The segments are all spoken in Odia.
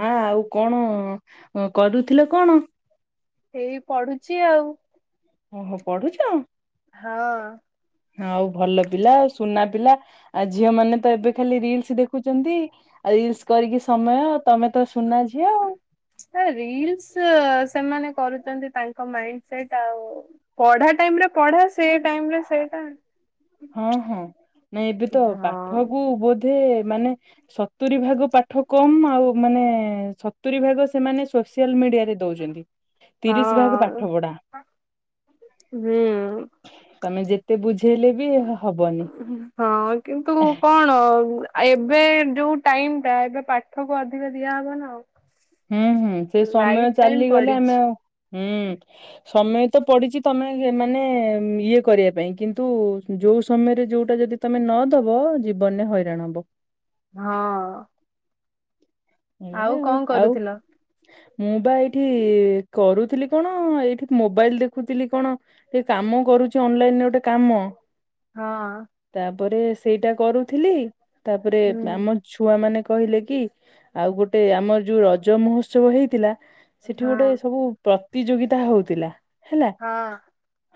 ମାଆ ଆଉ କଣ ଅଁ କରୁଥିଲ କଣ? ଏଇ ପଢୁଛି ଆଉ। ଓହୋ, ପଢୁଛ? ହଁ। ଆଉ ଭଲ ପିଲା ଆଉ, ସୁନା ପିଲା। ଆ ଝିଅ ମାନେ ତ ଏବେ ଖାଲି ରିଲ୍ସ ଦେଖୁ ଦେଖୁଛନ୍ତି। ରିଲ୍ସ କରିକି ସମୟ ତମେ ତ ସୁନା ଝିଅ ଆଉ। ଆ ରିଲ୍ସ ସେମାନେ କରୁଚନ୍ତି ତାଙ୍କ ମାଇଣ୍ଡ ସେଇଟା ଆଉ। ପଢା ଟାଇମରେ ପଢା, ସେ ଟାଇମରେ ସେଇଟା। ହଁ ହଁ। ନାଇଁ ଏବେ ତ ପାଠକୁ ହଁ। ବହୁତ ବୋଧେ ମାନେ ସତୁରି ଭାଗ ପାଠ କମ, ଆଉ ମାନେ ସତୁରି ଭାଗ ସେମାନେ ସୋ ସୋସିଆଲ ମିଡିଆରେ ଦଉଚନ୍ତି, ତିରିଶ ଭାଗ ହଁ ପାଠପଢା। ହୁଁ। ଯେତେ ବୁଝେଇଲେ ବି ହବନି ହଁ କିନ୍ତୁ କଣ ଆଉ ଏବେ ଯୋଉ ଟାଇମଟା, ଏବେ ପାଠକୁ ଅଧିକ ଦିଆହବ ନା ଆଉ। ହୁଁ ହୁଁ ସେ ଲାଇଫ ସମୟ ଟାଇମ ଚାଲିଗଲେ ପଡିଛି। ଆମେ ଆଉ ହୁଁ ସମୟ ତ ପଡ଼ିଚି ତମେ ଏ ମାନେ ଇଏ କରିବା ପାଇଁ କିନ୍ତୁ ଜ୍ ଯୋଉ ସମୟରେ ଯୋଉଟା ଯଦି ତମେ ନଦବ ଜୀବନରେ ହଇରାଣ ହବ। ହଁ। ଏଇଆ ଆଉ କଣ ଆଉ? କରୁଥିଲ? ମୁଁ ବା ଏଇଠି କରୁଥିଲି କଣ ଏଇଠି ମୋବାଇଲ୍ ଦେଖୁଥିଲି କଣ ଏ କାମ କ ରୁଚି ଅନଲାଇନ୍ ରେ ଓଟେ କାମ। ହଁ। ପରେ ସେଇଟା କରୁଥିଲି, ତାପରେ ହୁଁ ଆମ ଛୁଆମାନେ କହିଲେ କି ଆଉ ଗୋଟେ ଆମର ଯୋଉ ରଜ ମହୋତ୍ସବ ହେଇଥିଲା ସେଠି ଗୋଟେ ହଁ। ସବୁ ପ୍ର ତିଯୋଗିତା ହଉତିଲା। ହଁ।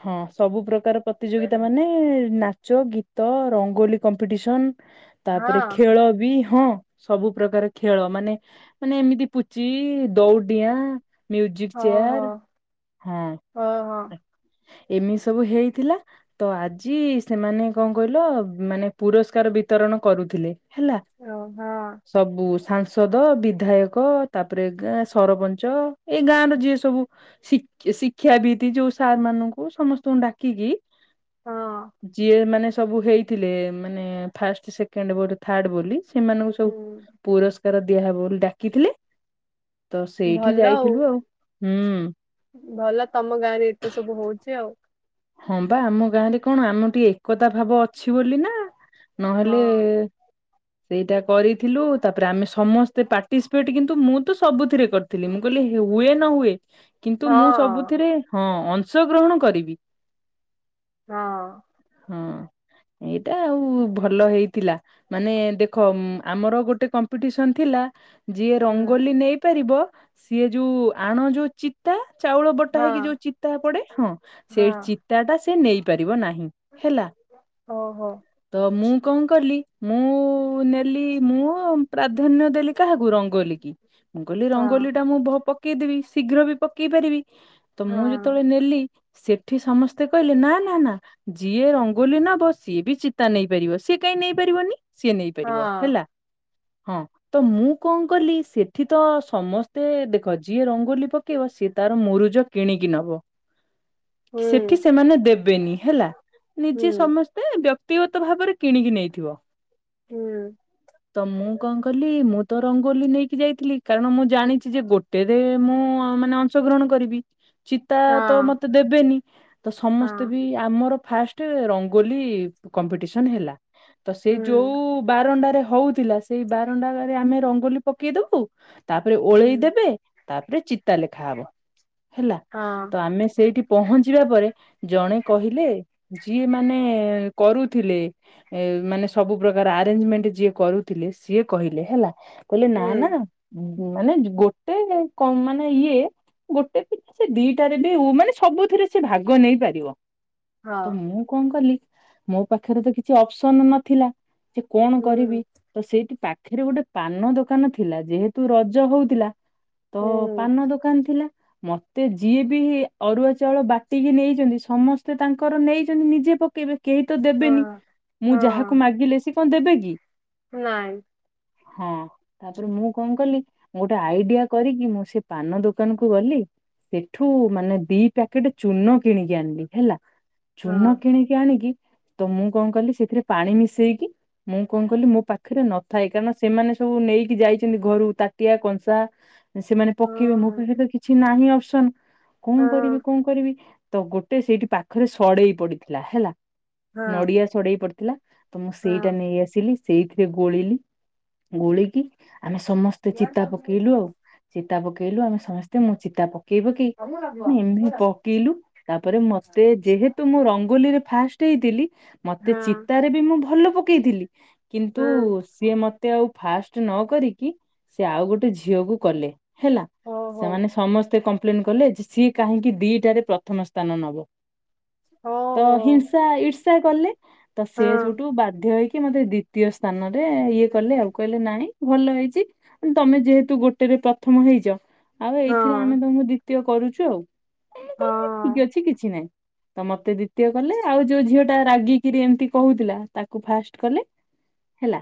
ହଁ, ସବୁ ପ୍ରକାର ପ୍ରତିଯୋଗିତା ମାନେ ନାଚ, ଗୀତ, ରଙ୍ଗୋଲି କମ୍ପିଟିସନ୍। ହଁ ତାପରେ ଖେଳ ବି ହଁ, ସବୁ ପ୍ରକାର ଖେଳ ମାନେ ମାନେ ଏମିତି ପୁଚି, ଦଉଡିଁଆ ମ୍ୟୁଜିକ୍ ହଉ ଚେୟାର୍ ହଉ ହଁ। ହଉ ଏମିତି ସବୁ ହେଇଥିଲା ତ ଆଜି ସେମାନେ କଁ କହିଲ ମାନେ ପୁରସ୍କାର ବି ଇତରଣ କରୁଥିଲେ ହେଲା। ହଁ ହଁ। ସବୁ ସାଂସଦ, ବିଧାୟକ ତାପରେ ଗାଁ ସରପଞ୍ଚ ଏଇ ଗାଁର ଯିଏ ସବୁ ଶି ଏ ଶିକ୍ଷାବିତ୍ ଯୋଉ ସାର୍ ମାନଙ୍କୁ ସମସ୍ତଙ୍କୁ ଡାକିକି ହଁ ଯିଏ ମାନେ ସବୁ ହେଇଥିଲେ ମାନେ ଫାଷ୍ଟ୍, ସେକେଣ୍ଡ୍ ବୋର୍ ଥାର୍ଡ଼ ବୋଲି ସେମାନଙ୍କୁ ସବୁ ହୁଁ ପୁରସ୍କାର ଦିଆହବ ବୋଲି ଡାକିଥିଲେ। ତ ସେଇଠି ଯାଇଥିଲୁ ଆଉ ହୁଁ। ଭଲ ତମ ଗାଁରେ ଏତେ ସବୁ ହଉଛି ଆଉ ହଁ, ବା ଆମ ଗାଁରେ କଣ ଆମ ଟିକେ ଏକତା ଭାବ ଅଛି ବୋଲି ନାଁ ନହେଲେ ସେଇଟା କରିଥିଲୁ ତାପରେ ଆମେ ସମସ୍ତେ ପାଟିସିପେଟ୍ କିନ୍ତୁ ମୁଁ ତ ସବୁଥିରେ କରିଥିଲି ମୁଁ କହିଲି କି ସି ହୁଏ ନ ହୁଏ କିନ୍ତୁ ମୁଁ ହଁ ସବୁଥିରେ ହଁ, ଅଂଶଗ୍ରହଣ କରିବି। ହଁ। ହଁ। ଏଇଟା ଆଉ ଭଲ ହେଇଥିଲା ମାନେ ଦେଖ ଆମର ଗୋଟେ କମ୍ପିଟିସନ୍ ଥିଲା ଯିଏ ହୁଁ ରଙ୍ଗୋଲି ନେଇପାରିବ ସିଏ ଯୋଉ ଆଣ ଯୋଉ ଚିତା ଚାଉଳ ବଟା ହଁ ହେଇକି ଯୋଉ ଚିତା ପଡ଼େ ହଁ, ସେଇ ହଁ ଚିତାଟା ସେ ନେଇପା ଇରିବ ନାହିଁ ହେଲା ଓହୋ ତ ମୁଁ କଁ କଲି ମୁଁ ନେଲି ମୁଁ ପ୍ରାଧାନ୍ୟ ଦେଲି କାହାକୁ ରଙ୍ଗଲି କି। ମୁଁ କହିଲି ହଁ ରଙ୍ଗୋଲିଟା ମୁଁ ଭ ପକେଇଦେବି ଶୀଘ୍ର ବି ପକେଇ ପାରିବି। ତ ହଁ ମୁଁ ଯେତୋଳେ ନେଲି ସେ ଠି ସମସ୍ତେ କହିଲେ ନାଁ ନାଁ ନାଁ ଯିଏ ରଙ୍ଗୋଲି ନବ ସିଏ ବି ଚିତା ନେଇପାରିବ। ସିଏ କାଇଁ ନେଇପାରିବନି? ସିଏ ନେଇପାରିବ ହଁ ହେଲା। ହଁ, ତ ମୁଁ କଁ କଲି ସେଠି ତ ସମସ୍ତେ ଦେଖ ଯିଏ ରଙ୍ଗୋଲି ପକେଇବ ସିଏ ତାର ମୁରୁଜ କିଣିକି ନବ। ସେଠି ହୁଁ ସେମାନେ ଦେବେନି ହେଲା ହୁଁ ନିଜେ ସମସ୍ତେ ବ୍ୟ ତିଅତ ଭାବରେ କିଣିକି ନେଇଥିବ। ହୁଁ। ତ ମୁଁ କଁ କଲି ମୁଁ ତ ରଙ୍ଗୋଲି ନେଇକି ଯାଇଥିଲି କାରଣ ମୁଁ ଜାଣିଚି ଯେ ଗୋଟେରେ ମୁଁ ହଁ ମାନେ ଅଂଶଗ୍ରହଣ କରିବି ଚିତା ତ ହଁ ମତେ ଦେବେନି ତ ସମସ୍ତେ ହଁ ବି ଆ ମୋର ଫାଷ୍ଟେ ରଙ୍ଗୋଲି କମ୍ପିଟିସନ୍ ହେଲା ତ ସେ ହୁଁ ଯୋଉ ବାରଣ୍ଡାରେ ହଉଥିଲା ସେଇ ବାରଣ୍ଡାରେ ଆମେ ରଙ୍ଗୋଲି ପକେଇଦବୁ ତାପରେ ହୁଁ ଓଳେଇ ଦେବେ ତାପରେ ଚିତା ଲେଖା ହବ ହେଲା ତ ହଁ ଆମେ ସେଇଠି ପହଁ ଯିବା ପରେ ଜଣେ କହିଲେ ଯିଏ ମାନେ କରୁଥିଲେ ମାନେ ସବୁ ପ୍ରକାର ଅରେଞ୍ଜମେଣ୍ଟ ଯିଏ କରୁଥିଲେ ସିଏ କହିଲେ ହେଲା କହିଲେ ନା, ହୁଁ ନା ଉ ମାନେ ଗୋଟେ କ ମାନେ ଇଏ ଗୋଟେ ଶିକ୍ଷା ଦିଟାରେ ବି ହଉ ମାନେ ସବୁଥିରେ ସେ ଭାଗ ନେଇ ପାରିବ ହଁ ତ ମୁଁ କଣ କଲି ମୋ ପାଖରେ ତ କିଛି ଅପସନ ନଥିଲା ଯେ କଣ କରିବି ହୁଁ ତ ସେଇଠି ପା ଖେରେ ଗୋଟେ ପାନ ଦୋକାନ ଥିଲା ଯେହେତୁ ରଜ ହଉଥିଲା ତ ହୁଁ ପାନ ଦୋକାନ ଥିଲା ମତେ ଯିଏ ବି ଅରୁଆ ଚାଉଳ ବା ଟିକି ନେଇଛନ୍ତି ସମସ୍ତେ ତାଙ୍କର ନେଇଛନ୍ତି ନିଜେ ପକେଇବେ କେହି ତ ହଁ ଦେବେନି ମୁଁ ଯାହାକୁ ହଁ ମାଗିଲେ ସେ କଣ ଦେବେ କି। ନାଇଁ ହଁ ତାପରେ ମୁଁ କଣ କଲି ଗୋଟେ ଆଇଡିଆ କରିକି ମୁଁ ସେ ପାନ ଦୋକାନ କୁ ଗଲି ସେଠୁ ମାନେ ଦି ପ୍ୟାକେଟ ଚୂନ କିଣିକି ଆଣିଲି ହେଲା ହଁ ଚୂନ କିଣିକି ଆଣିକି ତ ମୁଁ କଣ କଲିି ସେଥିରେ ପାଣି ମିଶେଇକି ମୁଁ କଣ କଲି ମୋ ପାଖରେ ନଥାଏ କାରଣ ସେମାନେ ସବୁ ନେଇକି ଯାଇଛନ୍ତି ଘରୁ ତାଟିଆ କଂସା ସେମାନେ ପକେଇବେ ମୋ ହଁ ପାଖରେ ତ କିଛି ନାହିଁ ଅପସନ କଣ କରିବି ହଁ କଣ କରିବି ତ ଗୋଟେ ସେଇଠି ପାଖରେ ସଡେଇ ପଡିଥିଲା ହେଲା ନଡିଆ ସଡେଇ ପଡି ମୁଁ ସେଇଟା ନେଇ ଆସିଲି ସେଇଥିରେ ଗୋଳିଲି ଗୋଳିକି ଆମେ ସମସ୍ତେ ଚିତା ପକେଇଲୁ ଆଉ ଚିତା ପକେଇଲୁ ଆମେ ସମସ୍ତେ ମୁଁ ଚିତା ପକେଇ ପକେଇ ହଁ ପକେଇ ଏମତି ପକେଇଲୁ ତାପରେ ମତେ ଯେହେତୁ ମୁଁ ହଁ ରଙ୍ଗୋଲିରେ ଫାଷ୍ଟ ହେଇଥିଲି ମତେ ହଁ ଚିତାରେ ବି ମୁଁ ଭଲ ପକେଇଥିଲି କିନ୍ତୁ ହଁ ସିଏ ମତେ ଆଉ ଫାଷ୍ଟ ନ କରିକି ସେ ଆଉ ଗୋଟେ ଝିଅକୁ କଲେ। ହେଲା ଓହୋ ସେମାନେ ସମସ୍ତେ କମ୍ପ୍ଲେନ କଲେ ଯେ ସିଏ କାହିଁକି ଦିଟାରେ ପ୍ରଥମ ସ୍ଥାନ ନବ? ତ ଓହୋ ହିଂସା ଇର୍ଷା କଲେ ତ ହଁ ସେ ସେଉଠୁ ବାଧ୍ୟ ହେଇକି ମତେ ଦ୍ଵିତୀୟ ସ୍ଥାନରେ ଇଏ କଲେ ଆଉ କହିଲେ ନାଇ ଭଲ ହେଇଛି ତମେ ଯେହେତୁ ଗୋଟେରେ ପ୍ରଥମ ହେଇଛ ଆଉ ହଁ ଏଇଥିରେ ଆମେ ତମକୁ ଦ୍ୱିତୀୟ କରୁଛୁ ଆଉ। ମୁଁ କହିଲ ମୋ ହଁ ଠିକ ଅଛି କିଛି ନାହିଁ। ତ ମତେ ଦ୍ଵିତୀୟ କଲେ ଆଉ ଯୋଉ ଝିଅ ଟା ରାଗିକିରି ଏମିତି କହୁଥିଲା ତାକୁ ଫାଷ୍ଟ କଲେ। ହେଲା?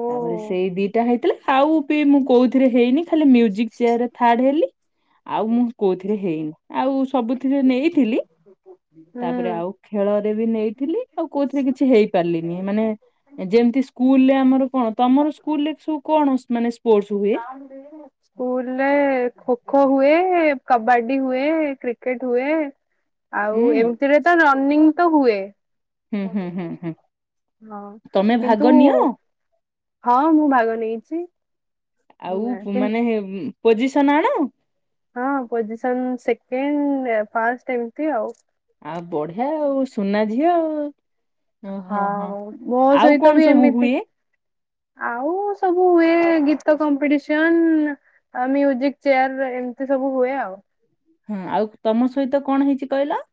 ଓ ତାପରେ ସେଇ ଦିଟା ହେଇଥିଲା ଆଉ ବି ମୁଁ କୋଉଥିରେ ହେଇନି ଖାଲି ମ୍ୟୁଜିକ ଚେୟାରରେ ଥାର୍ଡ ହେଲି ଆଉ ମୁଁ କୋଉଥିରେ ହେଇନି ଆଉ ସବୁଥିରେ ନେଇଥିଲି ହୁଁ। ତାପରେ ଆଉ ଖେଳରେ ବି ନେଇଥିଲି ଆଉ କୋଉଥିରେ କିଛି ହେଇପାରିଲିନି ମାନେ ଯେମତି ସ୍କୁଲରେ ଆମ୍ ମାନେ ସ୍ପୋର୍ଟସ ହୁଏ? ସ୍କୁଲ ରେ ଖୋ ଖୋ ହୁଏ କବାଡି ହୁଏ। କ୍ରିକେଟ ହୁଏ। ଆଉ ହୁଁ ଏମିତିରେ ତ ରନିଂ ତ ହୁଏ ହୁଁ ହୁଁ ହୁଁ ହୁଁ ହଁ ତମେ ଭାଗ କିନ୍ତୁ ନିଅ ହଁ ମୁଁ ଭାଗ ନେଇଛି। ଆଉ ହୁଁ, ପୁ କିନ୍ତୁ ମାନେ ପୋଜିସନ ଆଣ? ହଁ ପୋଜିସନ ସେକଣ୍ଡ ଫାଷ୍ଟ ଏମତି ଆଉ। ଆଉ ବଢିଆ ଆଉ ସୁନା ଝିଅ ଆଉ। ହଁ ଆଉ ମୋ ଆଉ ସହିତ କଣ ବି ସବୁ ଏମିତି ହୁଏ? ଆଉ ସବୁ ଏ ଗୀତ କମ୍ପିଟିସନ ଆଉ ମ୍ୟୁଜିକ ଚେୟାର ଏମିତି ସବୁ ହୁଏ ଆଉ। ହଁ ଆଉ ତମ ସହିତ କଣ ହେଇଛି କହିଲ?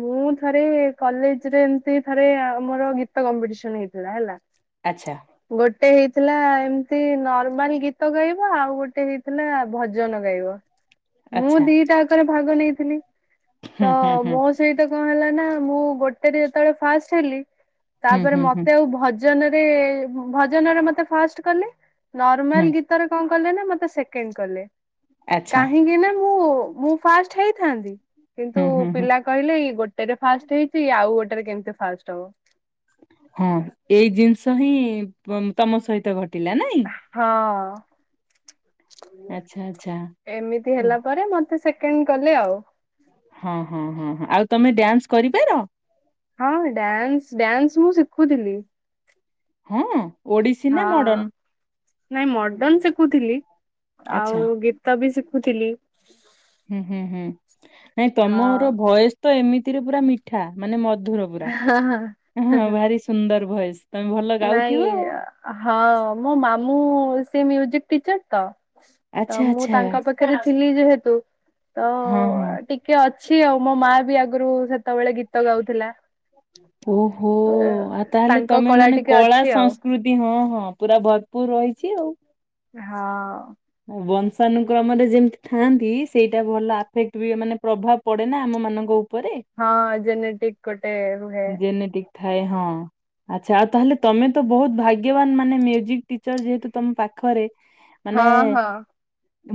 ମୁଁ ଥରେ କଲେଜରେ ଏମତି ଥରେ ମୋର ଗୀତ କମ୍ପିଟିସନ ହେଇଥିଲା ହେଲା ଆଚ୍ଛା। ଗୋଟେ ହେଇଥିଲା ଏମତି ନର୍ମାଲ ଗୀତ ଗାଇବମ ଆଉ ଗୋଟେ ହେଇଥିଲା ଭଜନ ଗାଇବ। ମୁଁ ଆଚ୍ଛା ଦିଟା ଆଙ୍କରେ ଭାଗ ନେଇଥିଲି। ହୁଁ ହୁଁ ହୁଁ। ତ ସେଇଟା କଣ ହେଲା ନା ମୁଁ ଗୋଟେରେ ଯେତେବେଳେ ଫାଷ୍ଟ୍ ହେଲି ହୁଁ ତାପରେ ହୁଁ ହୁଁ ମତେ ଆଉ ଭଜ ଜନରେ ଭଜନରେ ମତେ ଫାଷ୍ଟ୍ କଲେ ନର୍ମାଲ ହୁଁ ଗୀତରେ କ କଲେ ନା ମତେ ସେକେଣ୍ଡ କଲେ ଆଚ୍ଛା କାହିଁକି ନା ମୁଁ ମୁଁ ଫାଷ୍ଟ୍ ହେଇଥାନ୍ତି କିନ୍ତୁ ହୁଁ ହୁଁ ହୁଁ ପିଲା କହିଲେ ଇଏ ଗୋଟେରେ ଫାଷ୍ଟ୍ ହେଇଛି ଇଏ ଆଉ ଗୋଟେରେ କେମିତି ଫାଷ୍ଟ୍ ହବ। ହଁ ଏଇ ଜିନିଷ ହିଁ ତ ତମ ସହିତ ଘଟିଲା ନାଇଁ। ହଁ ଆଚ୍ଛା ଆଚ୍ଛା ଏମିତି ଓ, ହେଲା ପରେ ମତେ ସେ କେଣ୍ଡ କଲେ ଆଉ। ହଁ ହଁ ହଁ ହଁ ଆଉ ତମେ ଡ୍ୟାନ୍ସ କରିପାର? ହଁ ଡ୍ୟାନ୍ସ ଡ୍ୟାନ୍ସ ମୁଁ ଶିଖୁଥିଲି। ହଁ ଓଡିଶୀ ହଁ। ନା ମଡନ୍? ନାଇଁ ମଡନ୍ ଶିଖୁଥିଲି ଆଉ ଆଚ୍ଛା ଗୀତ ବି ଶିଖୁଥିଲି। ହୁଁ ହୁଁ ହୁଁ ନାଇଁ ତମର ହଁ। ଭଏସ୍ ତ ଏମିତିରେ ପୁରା ମିଠା ମାନେ ମ ଧୁର ପୁରା ହଁ ଭାରି ସୁନ୍ଦର ଭଏସ୍। ନାଇଁ ହଁ ମୋ ମାମୁଁ ସେ ମ୍ୟୁଜିକ୍ ଟିଚର୍ ତ ତ ଆଚ୍ଛା ମୁଁ ଆଚ୍ଛା ତାଙ୍କ ପାଖରେ ଥିଲି ଯେହେତୁ ତ ହଁ ହଁ ଟିକେ ଅଛି ଆଉ। ମୋ ମା ବି ଆଗରୁ ସେତେବେଳେ ଗୀତ ଗାଉଥିଲା। ଓ ହୋ ଆଉ ତାହେଲେ ତାଙ୍କ ତମେ ମାନେ ଟିକେ କଳା ଅଛି ଆଉ ସଂସ୍କୃତି ହଁ ହଁ ପୁରା ଭର୍ ପୁର୍ ରହିଛି ଆଉ। ହଁ। ଆଉ ବଂଶାନୁକ୍ରମରେ ଯେମିତି ଥାଆନ୍ତି ସେଇଟା ଭଲ ଆଫେକ୍ଟ୍ ବି ମାନେ ପ୍ରଭାବ ପଡ଼େନା ଆମମାନଙ୍କୁ। ହଁ ଜେନେଟିକ୍ ଗୋଟେ ରୁହେ। ଜେନେଟିକ ଥାଏ ହଁ। ଆଛା ଆଉ ତାହେଲେ ତମେ ତ ବହୁତ ଭାଗ୍ୟବାନ୍ ମାନେ ମ୍ୟୁଜିକ୍ ଟିଚର ଯେହେତୁ ତମ ପାଖରେ ମାନେ ହଁ ହଁ।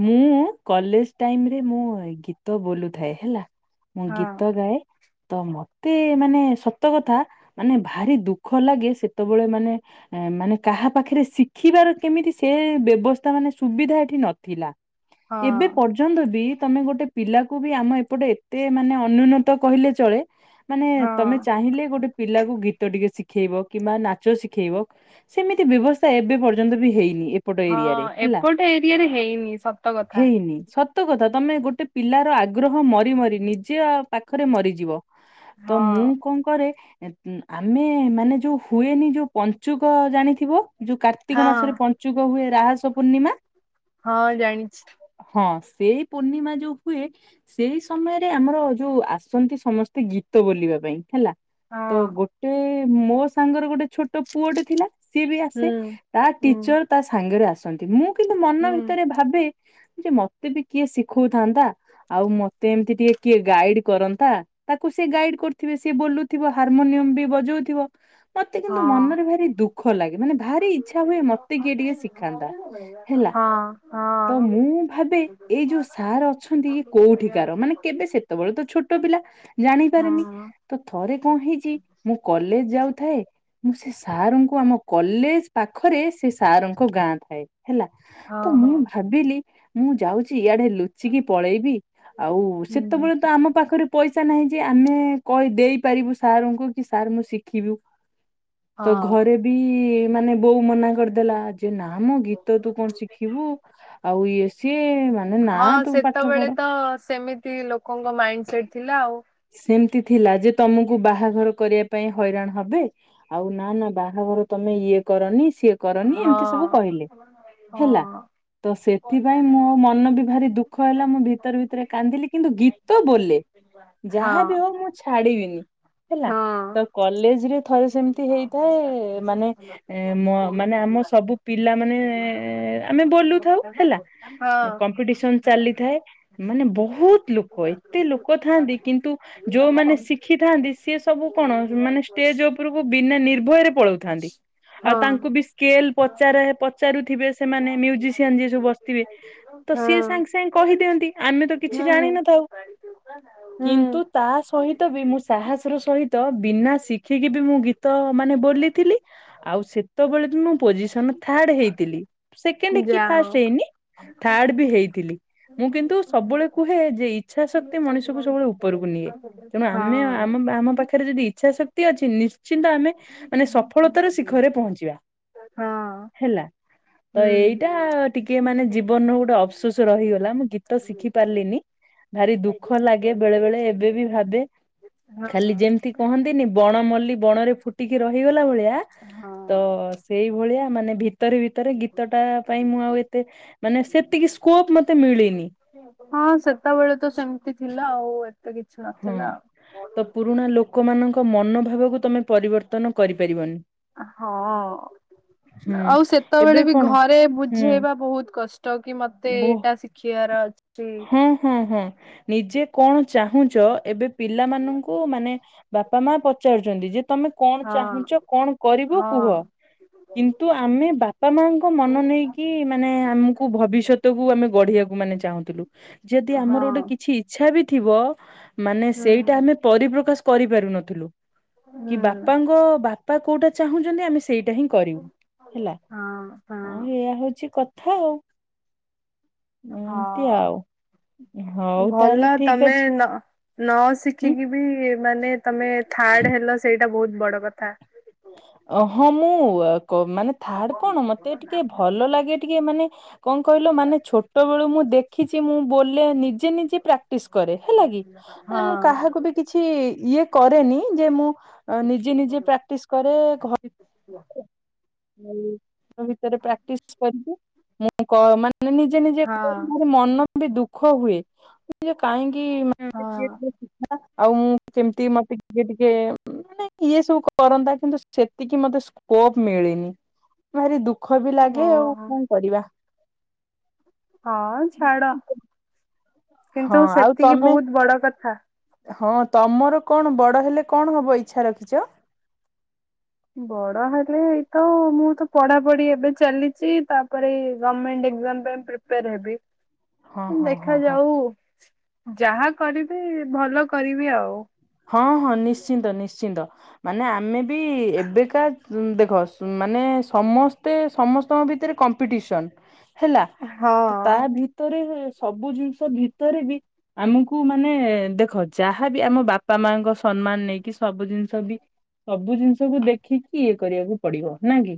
ମୁଁ କଲେଜ୍ ଟାଇମ୍ ରେ ମୁଁ ଗୀତ ବୋଲୁଥାଏ ହେଲା। ମୁଁ ହଁ ଗୀତ ଗାଏ। ତ ମତେ ମାନେ ସତ କଥା ମାନେ ଭାରି ଦୁଃଖ ଲାଗେ ସେତେବେଳେ ମାନେ ହଁ ମାନେ କାହା ପାଖେରେ ଶିଖିବାର କେମିତି ସେ ବ୍ୟବସ୍ଥା ମାନେ ସୁ ସୁବିଧା ଏଠି ନଥିଲା ଏବେ ହଁ। ପର୍ଯ୍ୟନ୍ତ ବି ତମେ ଗୋଟେ ପିଲାକୁ ବି ଆମ ଏପଟେ ଏତେ ମାନେ ଅନୁନ୍ନତ କହିଲେ ଚଳେ। ମାନେ ହଁ ତମେ ଚାହିଁଲେ ଗୋଟେ ପିଲାକୁ ଗୀତ ଟିକେ ଶିଖେଇବ କିମ୍ବା ନାଚ ଶିଖେଇବ ସେମିତି ଏତେ ବ୍ୟବସ୍ଥା ଏବେ ପର୍ଯ୍ୟନ୍ତ ବି ହେଇନି ଏପଟ ଏରିଆରେ ହେଲା। ଏ ଏରିଆରେ ହେଇନି ସତ କଥା। ହେଇନି ସତ କଥା ତମେ ଗୋଟେ ପିଲାର ଆଗ୍ରହ ମରି ମରି ନିଜ ପାଖରେ ମରିଯିବ। ତ ହଁ। ମୁଁ କଣ କରେ ଆମେ ମାନେ ଯୋଉ ହୁଏନି ଯୋଉ ପଞ୍ଚୁକ ଜାଣିଥିବ ଯୋଉ କାର୍ତ୍ତିକ ହଁ ମାସରେ ପଞ୍ଚୁକ ହୁଏ ରାହସ ପୂର୍ଣ୍ଣିମା। ହଁ ଜାଣିଛି। ହଁ ସେଇ ପୂର୍ଣ୍ଣିମା ଯୋଉ ହୁଏ ସେଇ ସମୟରେ ଆମର ଯୋଉ ଆସନ୍ତି ସମସ୍ତେ ଗୀତ ବୋଲିବା ପାଇଁ ହେଲା ତ ହଁ ଗୋଟେ ମୋ ସାଙ୍ଗରେ ଗୋଟେ ଛୋଟ ପୁଅଟେ ଥିଲା ସିଏ ବି ହୁଁ ଆସେ ତା ହୁଁ ଟିଚର ତା ସାଙ୍ଗେରେ ଆସନ୍ତି ମୁଁ କିନ୍ତୁ ମନ ହୁଁ। ଭିତରେ ଭାବେ ଯେ ମତେ ବି କିଏ ଶିଖଉଥାନ୍ତା ଆଉ ମତେ ଏମିତି ଟିକେ କିଏ ଗାଇଡ୍ କରନ୍ତା। ତାକୁ ସିଏ ଗାଇଡ୍ କରୁଥିବେ ସିଏ ବୋଲୁଥିବ ହାରମୋନିୟମ ବି ବଜଉଥିବ। ମତେ କିନ୍ତୁ ହଁ ମନରେ ଭାରି ଦୁଃଖ ଲାଗେ ମାନେ ଭାରି ଇଚ୍ଛା ହୁଏ ମତେ କିଏ ଟିକେ ଶିଖାନ୍ତା। ହେଲା ହଁ ତ ହଁ। ମୁଁ ଭାବେ ଏଇ ଯୋଉ ସାର୍ ଅଛନ୍ତି ଇଏ କୋଉଠିକାର ମାନେ କେବେ ସେ ସେତେବେଳେ ତ ଛୋଟ ପିଲା ହଁ ଜାଣିପାରେନି ତ ଥରେ କଣ ହେଇଛି ମୁଁ କଲେ କଲେଜ୍ ଯାଉଥାଏ ମୁଁ ସେ ସାର୍ ଙ୍କୁ ଆମ କଲେଜ୍ ପାଖରେ ସେ ସାର୍ ଙ୍କ ଗାଁ ଥାଏ ହେଲା ହଁ ତ ହଁ ମୁଁ ଭାବିଲି ମୁଁ ଯାଉଛି ଇଆଡେ ଲୁଚିକି ପଳେଇବି ଆଉ ସେତେବେଳେ ତ ଆମ ପାଖରେ ପଇସା ନାହିଁ ଯେ ଆମେ କହି ଦେଇ ପାରିବୁ ସାରଙ୍କୁ କି ସାର୍ ମୁଁ ଶିଖିବୁ। ତ ଘରେ ବି ମାନେ ବୋଉ ମନା କରିଦେଲା ଯେ ନା ମ ଗୀ ତ ତୁ କଣ ହଁ। ଶିଖିବୁ ଆଉ ଇଏ ସିଏ ମାନେ ନା ହଁ ତୁ ପାଠ ସେତେବେଳେ ପଢ ତ ସେମିତି ଲୋକଙ୍କ ମାଇଣ୍ଡ ସେଟ ଥିଲା ଆଉ। ସେମତି ଥିଲା ଯେ ତମକୁ ବାହାଘର କରିବା ପାଇଁ ହଇରାଣ ହବେ ଆଉ ନା ନା ବାହାଘର ତମେ ଇଏ କରନି ସିଏ କରନି ହଁ ଏମିତି ସବୁ କହିଲେ। ହେଲା ହଁ। ତ ସେଥିପାଇଁ ମୋ ମନ ବି ଭାରି ଦୁଃଖ ହେଲା ମୁଁ ଭିତରେ ଭିତରେ କାନ୍ଦିଲି କିନ୍ତୁ ଗୀତ ବୋଲେ। [inaudible] ଯାହା ବିି ହଉ ମୁଁ ଛାଡିବିନି। ହେଲା ହଁ ତ କଲେଜ ରେ ଥରେ ସେମିତି ହେଇଥାଏ ମାନେ ମ ମାନେ ଆମ ସବୁ ପିଲା ମାନେ ଆ-ଆମେ ବୋଲୁଥାଉ ହେଲା ହଁ କମ୍ପିଟିସନ ଚାଲି ଥାଏ ମାନେ ବହୁତ ଲୋକ ଏତେ ଲୋକ ଥାନ୍ତି କିନ୍ତୁ ଯୋଉମାନେ ଶିଖିଥା ସିଏ ସବୁ କଣ ମାନେ ଷ୍ଟେଜ ଉପରକୁ ବିନା ନିର୍ଭୟରେ ପଳାଉଥାନ୍ତି। ଆଉ ହଁ। ତାଙ୍କୁ ବି ସ୍କେଲ ପଚାର ପଚାରୁଥିବେ ହୁଁ ସେମାନେ ମ୍ୟୁଜିସିଆନ ଯିଏ ସବୁ ବସିଥିବେ। ତ ସିଏ ସାଙ୍ଗେ ସାଙ୍ଗେ କହିଦିଅନ୍ତି ଆମେ ତ କିଛି ଜାଣିନଥାଉ। ହୁଁ। କିନ୍ତୁ ତା ସହିତ ବି ମୁଁ ସାହସର ସହିତ ବିନା ଶିଖିକି ବି ମୁଁ ଗୀ ତ ମାନେ ବୋଲିଥିଲି ଆଉ ସେତେବେଳେ ବି ମୁଁ ପୋଜିସନ ଥାର୍ଡ ହେଇଥିଲି ସେକେଣ୍ଡ ହୁଁ କି ଯା ଫାଷ୍ଟ ହଉ। ହେଇନି ଥାର୍ଡ ବି ହେଇଥିଲି। ମୁଁ କିନ୍ତୁ ସବୁବେଳେ କୁହେ ଯେ ଇଚ୍ଛା ଶକ୍ତି ମଣିଷ ସକୁ ସବୁବେଳେ ଉପରକୁ ନିଏ ତେଣୁ ହଁ ଆମେ ହଁ ଆମ- ଆମ ପାଖରେ ଯଦି ଇଛା ଶକ୍ତି ଅଛି ନି ଶ୍ଚିନ୍ତ ଆମେ ମାନେ ସଫଳତାର ଶିଖରେ ପହଞ୍ଚିବା ହେଲା। ତ ଏଇଟା ହୁଁ। ଟିକେ ମାନେ ଜୀବନର ଗୋଟେ ଅପସୋସ ରହିଗଲା ମୁଁ ଗୀତ ଶିଖି ପାରିଲିନି। ଭାରି ଦୁଃଖ ଦୁଃଖ ଲାଗେ ବେଳେ ବେଳେ ଏବେ ବି ଭାବେ ଖାଲି ହଁ ଯେମିତି କହନ୍ତିନି ବଣ ମଲ୍ଲଲି ବଣ ଫୁଟିକି ରହିଗଲା ଭଳିଆ ତ ହଁ। ସେଇ ଭଳିଆ ମାନେ ଭିତ ଭିତରେ ଭିତରେ ଗୀତଟା ପାଇଁ ମୁଁ ଆଉ ଏତେ ମାନେ ସେତିକି ସ୍କୋପ ମତେ ମିଳିନି। ହଁ ସେତେବେଳେ ତ ସେମିତି ଥିଲା ଆଉ। ଏତେ କିଛି ହଁ ନଥିଲା ଆଉ ତ ପୁରୁଣା ଲୋକମାନଙ୍କ ମନୋଭାବକୁ ତମେ ପରିବର୍ତ୍ତନ କରିପାରିବନି। ହଁ। ହୁଁ ଆଉ ଏବେ ସେତେବେଳେ ବି କଣ ଘରେ ହୁଁ ବୁଝେଇବା ବହୁତ କଷ୍ଟ କି ମତେ ବୋ ଏଇଟା ଶିଖିବାର ଅଛି। ହଁ ହଁ ହଁ ନିଜେ କଣ ଚାହୁଁ ଚ ଏବେ ପିଲାମାନଙ୍କୁ ମାନେ ବାପା ମା ପଚାରୁଚନ୍ତି ଯେ ତମେ କଣ ହଁ ଚାହୁଁଚ କଣ କରିବ ହଁ କୁହ। କିନ୍ତୁ ଆମେ ବାପା ମାଙ୍କ ମନ ନେଇକି ମାନେ ଆମକୁ ଭବିଷ୍ୟତକୁୁ ଆମେ ଗଢିବାକୁ ମାନେ ଚାହୁଁଥିଲୁ ଯଦି ଆମର ହଁ ଗୋଟେ କିଛି ଇଛା ବି ଥିବ ମାନେ ହୁଁ ସେଇଟା ଆମେ ପରିପ୍ରକାଶ କରିପାରୁନଥିଲୁ। କି ହୁଁ ବାପାଙ୍କ ବାପା କୋଉଟା ଚାହୁଁଚନ୍ତି ଆମେ ସେଇଟା ହିଁ କରିବୁ ହେଲା ହଁ ହ ହଁ ଏଇୟଆ ହଉଛି କଥା ଆଉ। ଏମତି ହଁ ଆଉ ହଉ ଭଲ ତାହେଲେ ଠିକ ତମେ ଅଛି। ନ ନ ଉଁ। ଶିଖିକି ବି ମାନେ ତମେ ଥାର୍ଡ ହେଲ ସେଇଟା ବହୁତ ବଡ କ ଥା। ଅ ହଁ ମୁଁ ମାନେ ଥାର୍ଡ କଣ ମତେ ଟିକେ ଭଲ ଲାଗେ ଟିକେ ମାନେ କଣ କହିଲ ମାନେ ଛୋଟବେଳୁ ମୁଁ ଦେଖିଚି ମୁଁ ବୋଲେ ନିଜେ ନିଜେ ପ୍ରାକ୍ଟିସ କରେ ହେଲା କି ମାନେ ମୁଁ ହଁ କାହାକୁ ବି କିଛି ଇଏ କରେନି ଯେ ମୁଁ ନିଜେ ନିଜେ ପ୍ରାକ୍ଟିସ କରେ। ହୁଁ। ଭିତରେ ପ୍ରାକ୍ଟିସ କରିକି ମୁଁ ମାନେ ନିଜେ ନିଜେ ହଁ ମ ମନ ଦୁଃଖ ହୁଏ କାହିଁକି ମତେ ହଁ। କିଏ ଟିକେ ଶିଖା ଆଉ ମୁଁ କେମିତି ମତେ ଟିକେ ଟିକେ ମାନେ ଇଏ ସବୁ କରନ୍ତା। କିନ୍ତୁ ସେତିକି ମତେ ସ୍କୋପ୍ ମିଳିନି ଭାରି ଦୁଃଖ ବି ଲାଗେ ଆଉ ଓହୋ କଁ କରିବା। [inaudible] ହଁ ଛାଡ ହଁ କିନ୍ତୁ ଆଉ ସେତିକି ତମେ ବୋହୁତ ବଡ କଥା। ହଁ ତମର କଣ ବଡ ହେଲେ କଣ ହବ ଇଚ୍ଛା ରଖିଚ? ବଡ ହେଲେ ଏଇତ ମୁଁ ତ ପଢାପଢି ଏବେ ଚାଲିଚି ତାପରେ ଏଇ ଗମେଣ୍ଟ ଏକ୍ସାମ୍ ପାଇଁ ପ୍ରିପେଆର୍ ହେବି। ହଁ ହଁ ହଁ ହଁ ଦେଖାଯାଉ ଯାହା କରିବି ଭଲ କରିବି ଆଉ। ହଁ ହଁ ନିଶ୍ଚିନ୍ତ ନିଶ୍ଚିନ୍ତ। ମାନେ ଆମେ ବି ଏବେକା ଦେଖ ସ ମାନେ ସମସ୍ତେ ସମସ୍ତଙ୍କ ଭି ତେରେ କମ୍ପିଡିସନ୍ ହେଲା ତ ତା ହଁ। ଭିତରେ ସବୁ ଜିନିଷ ଭିତରେ ବି ଆମୁକୁ ମାନେ ଦେଖ ଯାହାବି ଆମ ବା ପା ମାଆଙ୍କ ସମ୍ମାନ ନେଇକି ସବୁ ଜିନିଷ ବି ସବୁ ଜିନିଷକୁ ଦେଖିକି ଇଏ କରିବାକୁ ପଡିବ ନାଁ କି?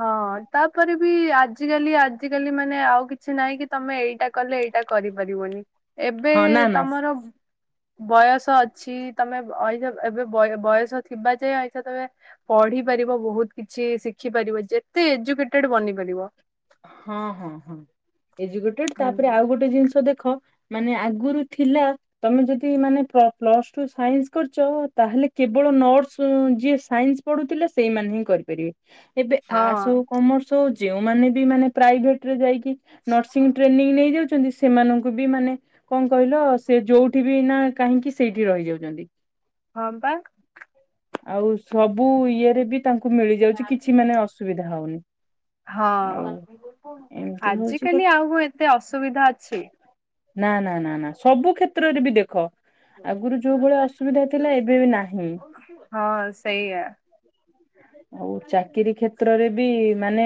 ହଁ ତାପରେ ବି ଆଜିକାଲି ଆଜିକାଲି ମାନେ ଆଉ କିଛି ନାହିଁ କି ତମେ ଏଇଡ଼ା କଲେ ଏଇା ଟା କରିପାରିବନି ଏବେ ହଁ ନା ନା ତମର ବୟସ ଅଛି ତମେ ଅଇସ ଏବେ ବୟ ବୟସ ଥିବା ଯାଏଁ ଆଇସ ତମେ ପଢ଼ି ଢ଼ିପାରିବ ବୋହୁତ କିଛି ଶିଖି ପାରିବ ଯେତେ ଏଜୁକେଟେଡେ ବନିପାରିବ। ହଁ ହଁ ହଁ ଏଜୁକେଟେଡେ ତାପରେ ଆଉ ହୁଁ। ଗୋଟେ ଜିନିଷ ଦେଖ ମାନେ ଆଗୁରୁ ଥିଲା ତମେ ଯଦି ମାନେ ପ୍ଳ ପ୍ଲସ ଟୁ ସାଇନ୍ସ କରିଚ ତାହେଲେ କେବଳ ନର୍ସ ଉଁ ଯିଏ ସାଇନ୍ସ ପଢୁଥିଲା ସେଇମାନେ ହିଁ କରିପାରିବେ। ଏବେ ହଁ ଆର୍ଟ ହୋଉ କମର୍ସ ହୋଉ ଯେଉମାନେ ବି ମାନେ ପ୍ରାଇଭେଟ ରେ ଯାଇକି ନର୍ସିଙ୍ଗ ଟ୍ରେନିଂ ନେଇ ଜାଉଚନ୍ତି ସେମାନଙ୍କୁ ବି ମାନେ କଁ କହିଲ ସେ ଯୋଉଠି ବି ନା କାହିଁକି ସେଇଠି ରହିଯାଉଚନ୍ତି। ହଁ ପା ଆଉ ସବୁ ଇଏରେ ବି ତାଙ୍କୁ ମିଳିଯାଉଚି କିଛି ମାନେ ଅସୁବିଧା ହଉନି। ଆଉ ହଁ ଏମିତି ହଉଛି କଥା। ଆଜିିକାଲି ଆଉ କଁ ଏତେ ଅସୁବିଧା ଅଛି। ନାଁ ନାଁ ନାଁ ନାଁ ସବୁ କ୍ଷେତ୍ରରେ ବି ଦେଖ ଆଗୁରୁ ଯୋଉ ଭଳି ଅସୁବିଧାଥିଲା ଏବେ ବି ନାହିଁ। ହଁ ସେଇଆ [inaudible] ଆଉ ଚାକିରୀ କ୍ଷେତ୍ରରେ ବି ମାନେ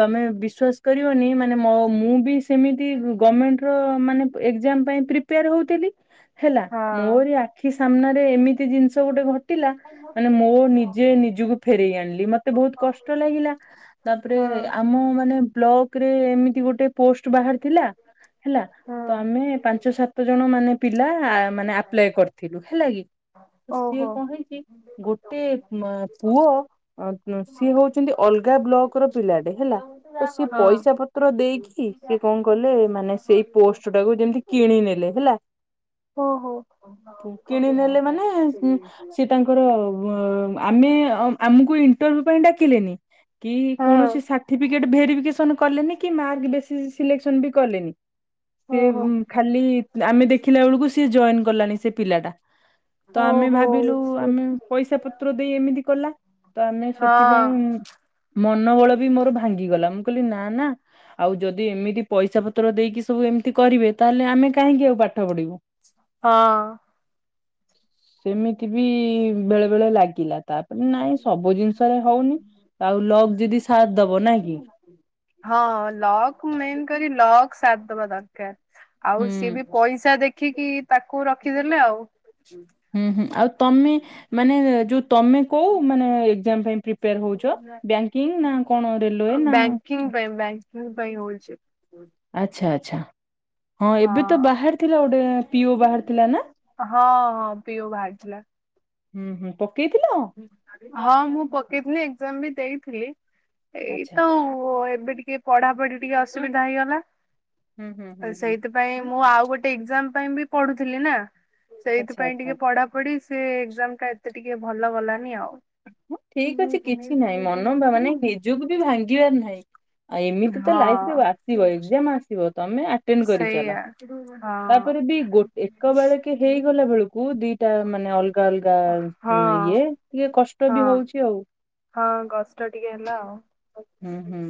ତମେ ବିଶ୍ଵାସ କରିବନି ମାନେ ମୋ ମୁଁ ବି ସେମିତି ଗମେଣ୍ଟ୍ ର ମାନେ ଏକ୍ସାମ ପାଇଁ ପ୍ରିପେଆର ହୋଉଥିଲି ହେଲା ହଁ। ମୋରି ଆଖି ସାମ୍ନାରେ ଏମିତି ଜିନିଷ ଗୋଟେ ଘ ଟିଲା ମାନେ ମୋ ନିଜେ ନିଜୁକୁ ଆଣିଲି ମତେ ବୋହୁତ କଷ୍ଟ ଲାଗିଲା ତାପରେ ହଁ ଆମ ମା ନେ ବ୍ଲକରେ ଏମିତି ଗୋଟେ ପୋଷ ଷ୍ଟୋ ବାହାରିଥିଲା ହେଲା ହଁ ତମେ ପାଞ୍ଚ ସାତ ଜଣ ମାନେ ପିଲା ମାନେ ଆପ୍ଲାଏ କରିଥିଲୁ ହେଲା କି? ତ ସିଏ ଓହୋ। କଁ ହେଇଚି ଗୋଟେ ଉଁମ ପୁଅ ଅଁ ନ୍ ସିଏ ହୋଉଚନ୍ତି ଅଲଗା ବ୍ଲକ ର ପିଲାଟେ ହେଲା ତ ସିଏ ହଁ। ପଇସା ପତ ତ୍ର ଦେଇକି ସିଏ କଁ କଲେ ମାନେ ସେଇ ପୋଷ୍ଟୋଟାକୁ ଯେମିତି କିଣି ନେଲେ ହେଲା ଓହୋ। କିଣି ନେଲେ ମାନେ ସିଏ ତାଙ୍କର ଆମେ ଉଁ ଆମୁକୁ ଇଣ୍ଟରଭିୟୁ ପାଇଁ ଡାକିଲେନି। କି କୌଣସି ସାଠିବିକେଟ ଭେରିପିକେସନ କଲେନି କି ମାର୍କ ବେଶୀଷ ସିଲେକ୍ସନ ବି କଲେନି? ସିଏ ଓହୋ ଖାଲି ଆମେ ଦେଖିଲା ବୋଳୁକୁ ସିଏ ଯଏନ୍ କଲାଣି ସେ ପିଲା ଟା। ତ ଆମେ ଓହୋ ଭାବିଲୁ ସେ ଆମେ ପଇସା ପତ୍ର ଦେଇ ଏମିତି ଲା ତ ଆମେ ସେଥିପାଇଁ ମନ ବଳ ବି ମୋରୋ ଭାଙ୍ଗିଗଲା ମୁଁ କହିଲି ନାଁ ନାଁ ଆଉ ଯଦି ଏମିତି ପଇସା ପତ୍ର ଦେଇକି ସବୁ ଏମିତି କରିବେ ତାହେଲେ ଆମେ କାହିଁକି ଆଉ ପାଠ ପଢିବୁ। ହଁ। ସେମିତି ବି ବେଳେ ବେଳେ ଲାଗିଲା। ତାପରେ ନାଇଁ ସବୁ ଜିନିଷରେ ହଉନି ଆଉ ଲକ୍ ଯଦି ସାଥ ଦବ ନାଇଁ କି। ହଁ ଲକ୍ ମେନ୍ କରି ଲକ୍ ସାଦ୍ ଦବା ଦରକାର ଆଉ ସିଏ ହୁଁ ବି ପଇସା ଦେଖିକି ତାକୁ ରଖିଦେଲେ ଆଉ। ହୁଁ, ହୁଁ ଆଉ ତମେ ମାନେ ଯୋଉ ତମେ କୋଉ ମାନେ ଏକ୍ଜାମ ପାଇଁ ପ୍ରିପେୟାର ହଉଛ ବ୍ୟଙ୍କିଙ୍ଗି ନା କଣ ରେଲୱେ ନା ବ୍ୟାଙ୍କିଙ୍ଗ ପାଇଁ ବ୍ୟଙ୍କିଙ୍ଗି ପାଇଁ ହଉଛି। ଆଚ୍ଛା ଆଚ୍ଛା ହଁ ଏବେ ତ ବାହାରି ଥିଲା ଗୋଟେ ପିଓ ବାହାରି ଥିଲା ନା। ହଁ, ହଁ ପିଓ ବାହାରିଥିଲା। ହୁଁ-ହୁଁ ପ ହଁ, ମୁଁ ପକେଇଥିଲି ଏକ୍ଜାମ ବି ଦେଇଥିଲି। ଏଇ ଆଚ୍ଛା ତଉ ଏବେ ଟିକେ ପଢାପଢି ଟିକେ ଅସୁବିଧା ହେଇଗଲା। ହୁଁ ହୁଁ ହୁଁ ହୁଁ। ସେଇଥିପାଇଁ ମୁଁ ଆଉ ଗୋଟେ ଏକ୍ଜାମ ପାଇଁ ବି ପଢୁଥିଲି ନା। ଆଚ୍ଛା ସେଇଥିପାଇଁ ଆଚ୍ଛା ଟିକେ ପଢାପଢି ସେ ଏକ୍ଜାମ ଟା ଏତେ ଟିକେ ଭଲ ଗଲାନି ଆଉ। ଠିକ ଅଛି କିଛି ନାହିଁ ମନ ବା ମାନେ ନିଜକୁ ବି ଭାଙ୍ଗିବାର ନାହିଁ। ଆ ଏମିତି ତ ଲାଇଫ୍ ରେ ହଁ ଆସିବ ଏକ୍ଜାମ ଆସିବ ତମେ ଆଟେଣ୍ଡ କରିଚାଲ। ସେଇଆ ହଁ। ତାପରେ ବି ଗୋ ଏକ ବେଳକେ ହେଇଗଲା ବେଳକୁ ଦି ଟା ମାନେ ଅଲଗା ଅଲଗା ହଁ ଇଏ ଟିକେ କଷ୍ଟ ବି ହଁ ହଉଚି ଆଉ। ହଁ ଗଷ୍ଟ ଟିକେ ହେଲା ଆଉ। ହୁଁ ହୁଁ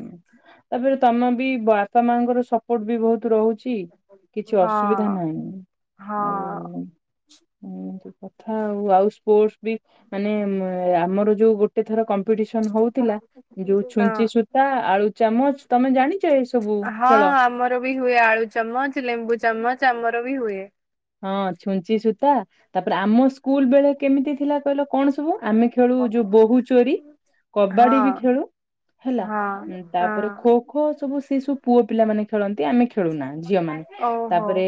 ତାପରେ ତମ ବି ବାପା ମାଆଙ୍କର ସପୋର୍ଟ ବି ବହୁତ ରହୁ ଚି କିଛି ଅସୁବିଧା ହଁ ନାହିଁ ଆଉ ହଁ। ହୁଁ ଏଇ ତ କଥା ଆଉ ଆଉ ସ୍ପୋର୍ଟ ବି ମାନେ ଆମର ଯୋଉ ଗୋଟେ ଥର କମ୍ କମ୍ପିଟିସନ ହଉଥିଲା ଯୋଉ ହଁ ଛୁଞ୍ଚି ସୂତା, ଆଳୁ ଚାମଚ ତମେ ଜାଣି ହଁ ଆମର ବି ହୁଏ ଆଳୁ ଚାମଚ ଲେମ୍ବୁ ଚାମଚ ଆମର ବି ହୁଏ। ହଁ ଛୁଞ୍ଚି ସୂତା ତାପରେ ଆମ ସ୍କୁଲ ବେଳେ କେମିତି ଥିଲା କହିଲ କଣ ସବୁ। ଆମେ ଖେଳୁ ଯୋଉ ବୋହୁୂ ଚୋରି କବାଡି ବି ହଁ। ଖେଳୁ। ହେଲା ହଁ ତାପରେ ହଁ ଖୋ ଖୋ ସବୁ ସେଇ ସବୁ ପୁଅ ପିଲା ମାନେ ଖେଳନ୍ତି ଆମେ ଖେଳୁନା ଝିଅ ମାନେ ଓହୋ ତାପରେ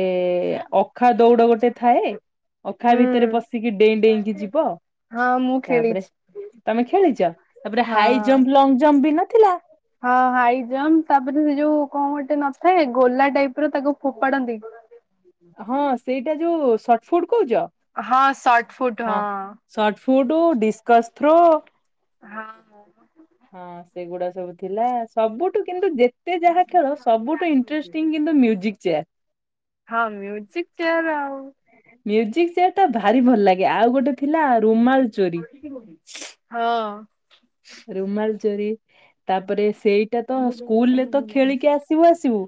ଅଖା ଦୌଡ ଗୋଟେ ଥାଏ। ଅଖା ଭିତରେ ହୁଁ ପଶିକି ଡେଇଁ ଡେଇଁକି ଯିବ। ହଁ ମୁଁ ତାପରେ ଖେଳିଛି। ତମେ ଖେଳିଛ ତାପରେ ହାଇ ହଁ ଜମ୍ପ ଲଙ୍ଗ ଜମ୍ପ ବିନା ହଁ ହାଇ ଜମ୍ପ ତାପରେ ସେ ଯୋଉ କଣ ଗୋଟେ ନଥାଏ ଗୋଲା ଟାଇପ ର ତାକୁ ଫୋପାଡନ୍ତି। ହଁ ସେଇଟା ଯୋଉ ସଟଫୁଟ କହୁଛ ହଁ ସର୍ଟ ଫୁଟ ହଁ ସଟଫୁଡ ଡିସ୍କଥ୍ରୋ। ହଁ-ହଁ। ହଁ ସେଗୁଡା ସବୁ ଥିଲା ସବୁଠୁ କିନ୍ତୁ ଯେ ତେ ଯାହା ଖେଳ ସବୁଠୁ ଇଟ୍ରେଷ୍ଟିଂ କିନ୍ତୁ ମ୍ୟୁଜିକ୍ ଚେୟାର୍। ହଁ ମ୍ୟୁଜିକ ଚେୟାର ଆଉ। ମ୍ୟୁଜିକ ଚେୟାର ଟା ଭାରି ଭଲ ଲାଗେ ଆଉ ଗୋଟେ ଥିଲା ରୁମାଲ ଚୋରି ହଁ। ରୁମାଲ ଚୋରି ତାପରେ ସେଇଟା ତ ସ୍କୁଲ ରେ ତ ଖେଳିକି ଆସିବୁ ଆସିବୁ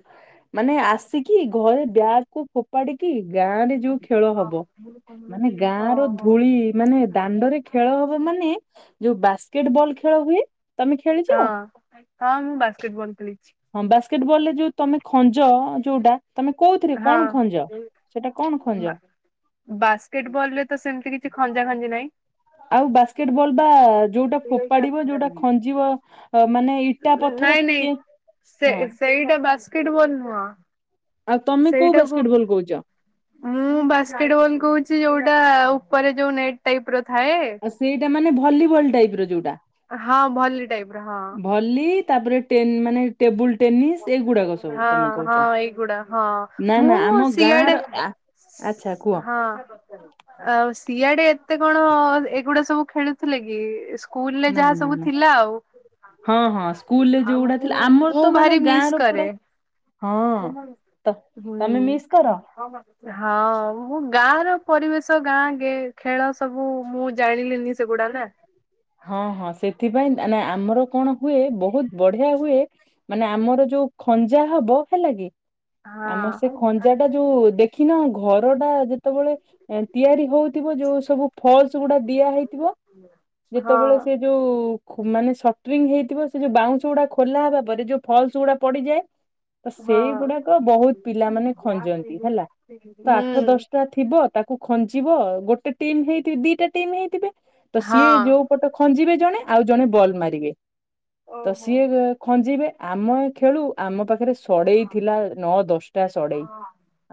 ମାନେ ଆସିକି ଘରେ ବ୍ୟାଗକୁ ଫୋପାଡିକି ଗାଁ ରେ ଯୋଉ ଖେଳ ଓହୋ ହବ। ମାନେ ଗାଁ ର ହଁ ଧୂଳି ମାନେ ଦାଣ୍ଡରେ ଖେଳ ହବ ମାନେ ଯୋଉ ବାସ୍କେଟବଲ ଖେଳ ହୁଏ ତମେ ଖେଳିଚ। ହଁ ମୁଁ ବାସ୍କେଟ ବଲ ଖେଳିଛି ହଁ ବାସ୍କେଟବଲରେ ଯୋଉ ତମେ ଖଞ୍ଜ ଯୋଉଟା ତମେ କୋଉଥିରେ କଣ ଖଞ୍ଜ ସେଟା କଣ ଖଞ୍ଜ ବାସ୍କେଟବଲ ରେ ତ ସେମତି କିଛି ଖଞ୍ଜା ଖଞ୍ଜି ନାହିଁ। ଆଉ ବାସ୍କେଟ ବଲ୍ ବା ଯୋଉଟା ଫୋପାଡିବ ଯୋଉଟା ଖଞ୍ଜିବ ମାନେ ଇଟା ପଥର ନାଇଁ ନାଇଁ କିଏ ସେ ହଁ ସେଇଟା ବାସ୍କେଟବଲ ନୁହଁ। ଆଉ ତମେ କୋଉ ସେଇଟାକୁ ବାସ୍କେଟ ବଲ କହୁଛ? ମୁଁ ବାସ୍କେଟବଲ କହୁଛି ଯୋଉ ଟା ଉପରେ ଯୋଉ ନେଟ୍ ଟାଇପ ର ଥାଏ। ଆଉ ସେଇଟା ମାନେ ଭଲିବଲ ଟାଇପ ର ଯୋଉଟା। ହଁ, ଭଲି ଟାଇପ ର ହଁ। ଭଲି ତାପରେ ଟେ ମାନେ ଟେବୁଲ ଟେନିସ୍ ଏଗୁଡାକ ସବୁ ହଁ ତମେ କହୁଛ। ହଁ ଏଇଗୁଡା ହଁ ନା ନା ମୁଁ ଆମ ଗାଁ ସିଆଡେ ର ଆ ଆଚ୍ଛା କୁହ ହଁ ଆଉ ସିଆଡେ ଏତେ କଣ ଏଗୁଡା ସବୁ ଖେଳୁଥିଲେ କି ସ୍ଲଲରେ ନା ଯାହା ନା ସବୁ ନା। ଥିଲା ଆଉ ହଁ ହଁ ସ୍କୁଲରେ ଯୋଉଗୁଡା ଥିଲା ଆମର ମୋ ତ ଭାରି ମାନେ ଗାଁ ମିସ ର କରେ। ପୁରା ହଁ ତ ତମେ ମୁଁ ମିସ୍ କର? ଗାଁ ର ପରିବେଶ ଗାଁ ଗେ ଖେଳ ସବୁ ମୁଁ ଜାଣିଲିନି ସେଗୁଡାକ [unintelligible] ହଁ ହଁ ସେଥିପାଇଁ ମାନେ ଆମର କଣ ହୁଏ ବହୁତ ବଢିଆ ହୁଏ ମାନେ ଆମର ଯୋଉ ଯୋଉ ଖଞ୍ଜା ହବ ହେଲା କି ଆମ ହଁ ସେ ଖଞ୍ଜା ଟା ଯୋଉ ଦେଖିନ ଘର ଟା ଯି ସେତେବେଳେ ତିଆରି ହଉଥିବ ଯୋଉ ସବୁ ଫଲସ ଗୁଡା ଦିଆ ହେଇଥିବ ହଁ ଯେତେବେଳେ ସେ ଯୋଉ କୁ ମାନେ ସଂଟ୍ରିଙ୍ଗ ହେଇଥିବ ସେ ଯୋଉ ବାଉଁଶ ଗୁଡା ଖୋଲା ହେବା ପରେ ଯୋଉ ଫଲସ ଗୁଡା ପଡିଯାଏ ତ ହଁ। ସେଇଗୁଡାକ ବହୁତ ପିଲା ମାନେ ଖଞ୍ଜନ୍ତି ହେଲା ତ ଆଠ ହୁଁ ଦଶଟା ଥିବ ତାକୁ ଖଞ୍ଜ ଯିବ ଗୋଟେ ଟିମ୍ ହେଇଥିବ ଦିଟା ଟିମ୍ ହେଇଥିବେ ତ ସିଏ ହଁ। ଯୋଉ ପଟ ଖଞ୍ଜିବେ ଜଣେ ଆଉ ଜଣେ ବଲ୍ ମାରିବେ ତ ଓହୋ ସିଏ ହଁ। ଖଞ୍ଜିବେ ଆମେ ଖେଳୁ ଆମ ପାଖରେ ସଡେଇ ଥିଲା ନଅ ଦଶଟା ସଡେଇ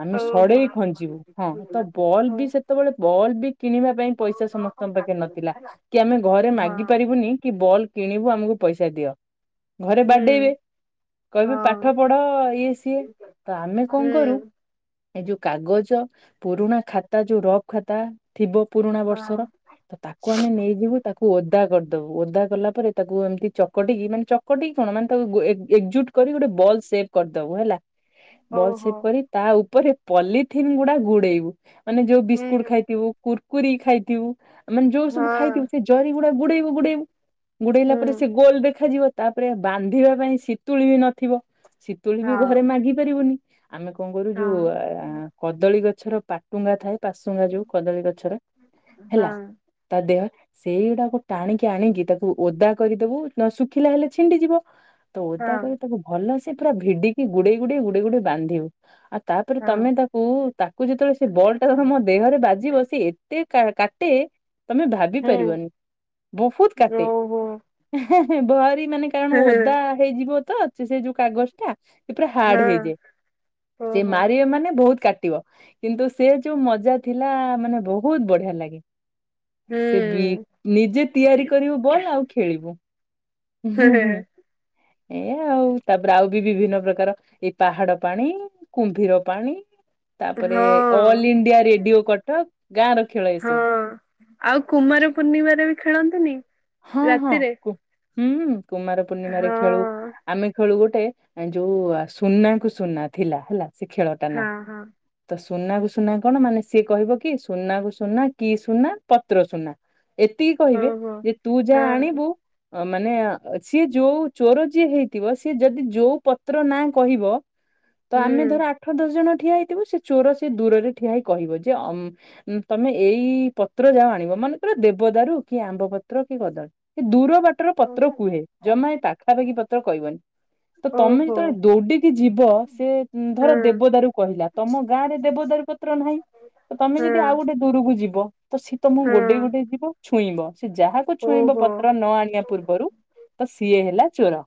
ଆମେ ହୁଁ ହଁ ସଡେଇ ଖଞ୍ଚିବୁ ହଁ ହୁଁ ତ ବଲ୍ ହଁ ଓହୋ ବି ସେତେବେଳେ ବଲ୍ବ ବି କିଣିବା ପାଇଁ ପଇସା ସମସ୍ତେ ପାଖେ ନଥିଲା କି ଆମେ ଘରେ ହୁଁ। ହଁ ମାଗି ପାରିବୁନି କି ବଲ୍ କିଣିବୁ ଆମକୁ ପଇସା ଦିଅ ଘରେ ହୁଁ ବାଡେଇବେ କହିବି ପାଠ ହଁ ପଢ ଇଏ ସିଏ ତ ଆମେ ହଁ କଣ ହଁ। ହଁ କରୁ ହଁ ହୁଁ ଏଇ ଯୋଉ କାଗଜ ପୁରୁଣା ଖାତା ଯୋଉ ରପ ଖାତା ଥିବ ପୁରୁଣା ବର୍ଷର ତ ତାକୁ ତାକୁ ଆମେ ନେଇଯିବୁ ତାକୁ ଓଦା କରିଦବୁ ଓଦା କଲା ପରେ ତାକୁ ଏମିତି ଚକଟିକି ମାନେ ଚକଟିକି କଣ ମାନେ ତାକୁ ଏକଜୁଟ କରି ଗୋଟେ ବଲ ସେଭ କରିଦବୁ ହେଲା ବଲ ଓହୋ ସେପ ହଁ ଓହୋ। କରି ତା ଉପରେ ପଲିଥିନ୍ ଗୁଡା ଗୁଡେଇବୁ ମାନେ ଯୋଉ ବିସ୍କୁଟ ହୁଁ ଖାଇଥିବୁ କୁୁରକୁରି ଖାଇଥିବୁ ଆମେ ସବୁ ଖାଇଥିବୁ ସେ ଜରି ଗୁଡା ଗୁଡେଇବୁ ଗୁଡେଇବୁ ଗୁଡେଇଲା ପରେ ସେ ଗୋଲ ଦେଖାଯିବ ତାପରେ ବାନ୍ଧିବା ପାଇଁ ଶୀତୁଳି ବି ନଥିବ ଶୀତୁଳି ବି ଘରେ ମାଗି ପାରିବୁନି ଆମେ କଣ କରୁ ଯୋଉ ଅ କଦଳୀ ଗଛର ପାଟୁଙ୍ଗା ଥାଏ ପାଶୁଙ୍ଗା ଯୋଉ କଦଳୀ ଗଛର ହେଲା ହଁ ଦେହ ସେଇଗୁଡାକୁ ଟାଣିକି ଆଣିକି ତାକୁ ଓଦା କରିଦବୁ ନ ଶୁଖିଲା ହେଲେ ଛିଣ୍ଡିଯିବ ତ ଓଦା କ ତାକୁ ଭଲସେ ପୁରା ଭିଡିକି ଗୁଡେଇ ଗୁଡେଇ ଗୁଡେଇ ଗୋଡେଇ ବାନ୍ଧିବୁ ଆଉ ତାପରେ ତମେ ତାକୁ ତାକୁ ଯେତେବେଳେ ସେ ବଲ୍ ଟା ମମ ଦେହରେ ବାଜିବ ସେ ଏତେ କାଟେ ତମେ ଭାବି ପାରିବନି ବହୁତ କାଟେ ଭାରି ମାନେ କାରଣ ଓଦା ହେଇଯିବ ତ ଅ ସେ ଯୋଉ କାଗଜ ଟା ସେ ପୁରା ହାର୍ଡ ହେଇଯାଏ ସେ ହଁ। ମାରିବେ ମାନେ ବହୁତ କାଟି ଟିବ କିନ୍ତୁ ସେ ଯୋଉ ମଜା ଥିଲା ମାନେ ବହୁତ ବଢିଆ ଲାଗେ। ସେ ବି ନିଜେ ତିଆରି କରିବୁ ବଲ୍ ଆଉ ଖେଳିବୁ। ହୁଁ ହୁଁ। ଏଇ ଆଉ ତାପରେ ଆଉ ବି ବିଭିନ୍ନ ପ୍ରକାର ଏଇ ପାହାଡ ପାଣି କୁମ୍ଭୀର ପାଣି ତାପରେ ଅଲ ଇଣ୍ଡିଆ ରେଡିଓ କଟକ ଗାଁ ର ଖେଳ ଏସବୁ। ଆଉ କୁମାର ପୂର୍ଣ୍ଣିମାରେ ବି ଖେଳନ୍ତିନି? ହଁ ହଁ ରାତିରେ ହୁଁ କୁମାର ପୂର୍ଣ୍ଣିମାରେ ଖେଳୁ ହଁ। ଆମେ ଖେଳୁ ଗୋଟେ ଗୋଟେ ଯୋଉ ସୁନା କୁ ସୁନା ଥିଲା ହେଲା ସେ ଖେଳ ଟା ନା ହଁ ହଁ ତ ସୁନାକୁ ସୁନା କଣ ମାନେ ସିଏ କହିବ କି ସୁନାକୁ ସୁନା କି ସୁନା ପତ୍ର ସୁନା ଏତିକି କହିବେ, ହଉ ହଉ ଯେ ତୁ ଯାହା ହଁ। ଆଣିବୁ ମାନେ ସିଏ ଯୋଉ ଚୋର ଯିଏ ହେଇଥିବ, ସିଏ ଯଦି ଯୋଉ ପତ୍ର ନାଁ କହିବ ତ ଆମେ ହୁଁ ଧର ଆଠ ଦଶ ଜଣ ଠିଆ ହେଇଥିବୁ। ସେ ଚୋର ସେ ଦୂରରେ ଠିଆ ହେଇ କହିବ, ଯେ ଅମ ତମେ ଏଇ ପତ୍ର ଯାଅ ଆଣିବ। ମନେଙ୍କର ଦେବଦାରୁ, କି ଆମ୍ବ ପତ୍ର, କି କଦଳୀ ଦୂର ର ବାଟର ପତ୍ର କୁହେ, ଜମା ଏଇ ପାଖାପାଖି ପତ୍ର କହିବନି। ତ ତମେ ଓହୋ ଯେତେବେଳେ ଦୌଡିକି ଯିବ, ସେ ଧର ହଁ ଦେବଦାରୁ କହିଲା। ତମ ଗାଁ ରେ ଦେବଦାରୁ ପତ୍ର ନାହିଁ ତ ତମେ ଯଦି ଆଉ ହଁ ଗୋଟେ ଦୂରକୁ ଯିବ, ତ ସିଏ ତମକୁ ହଁ ଗୋଡେଇ ଗୋଡ଼େଇ ଯିବ। ଛୁଇଁବ ସେ ଯାହାକୁ ଛୁଇଁବ ଓହୋ ପତ୍ର ନ ଆଣିବା ପୂର୍ବରୁ, ତ ସିଏ ହେଲା ଚୋର।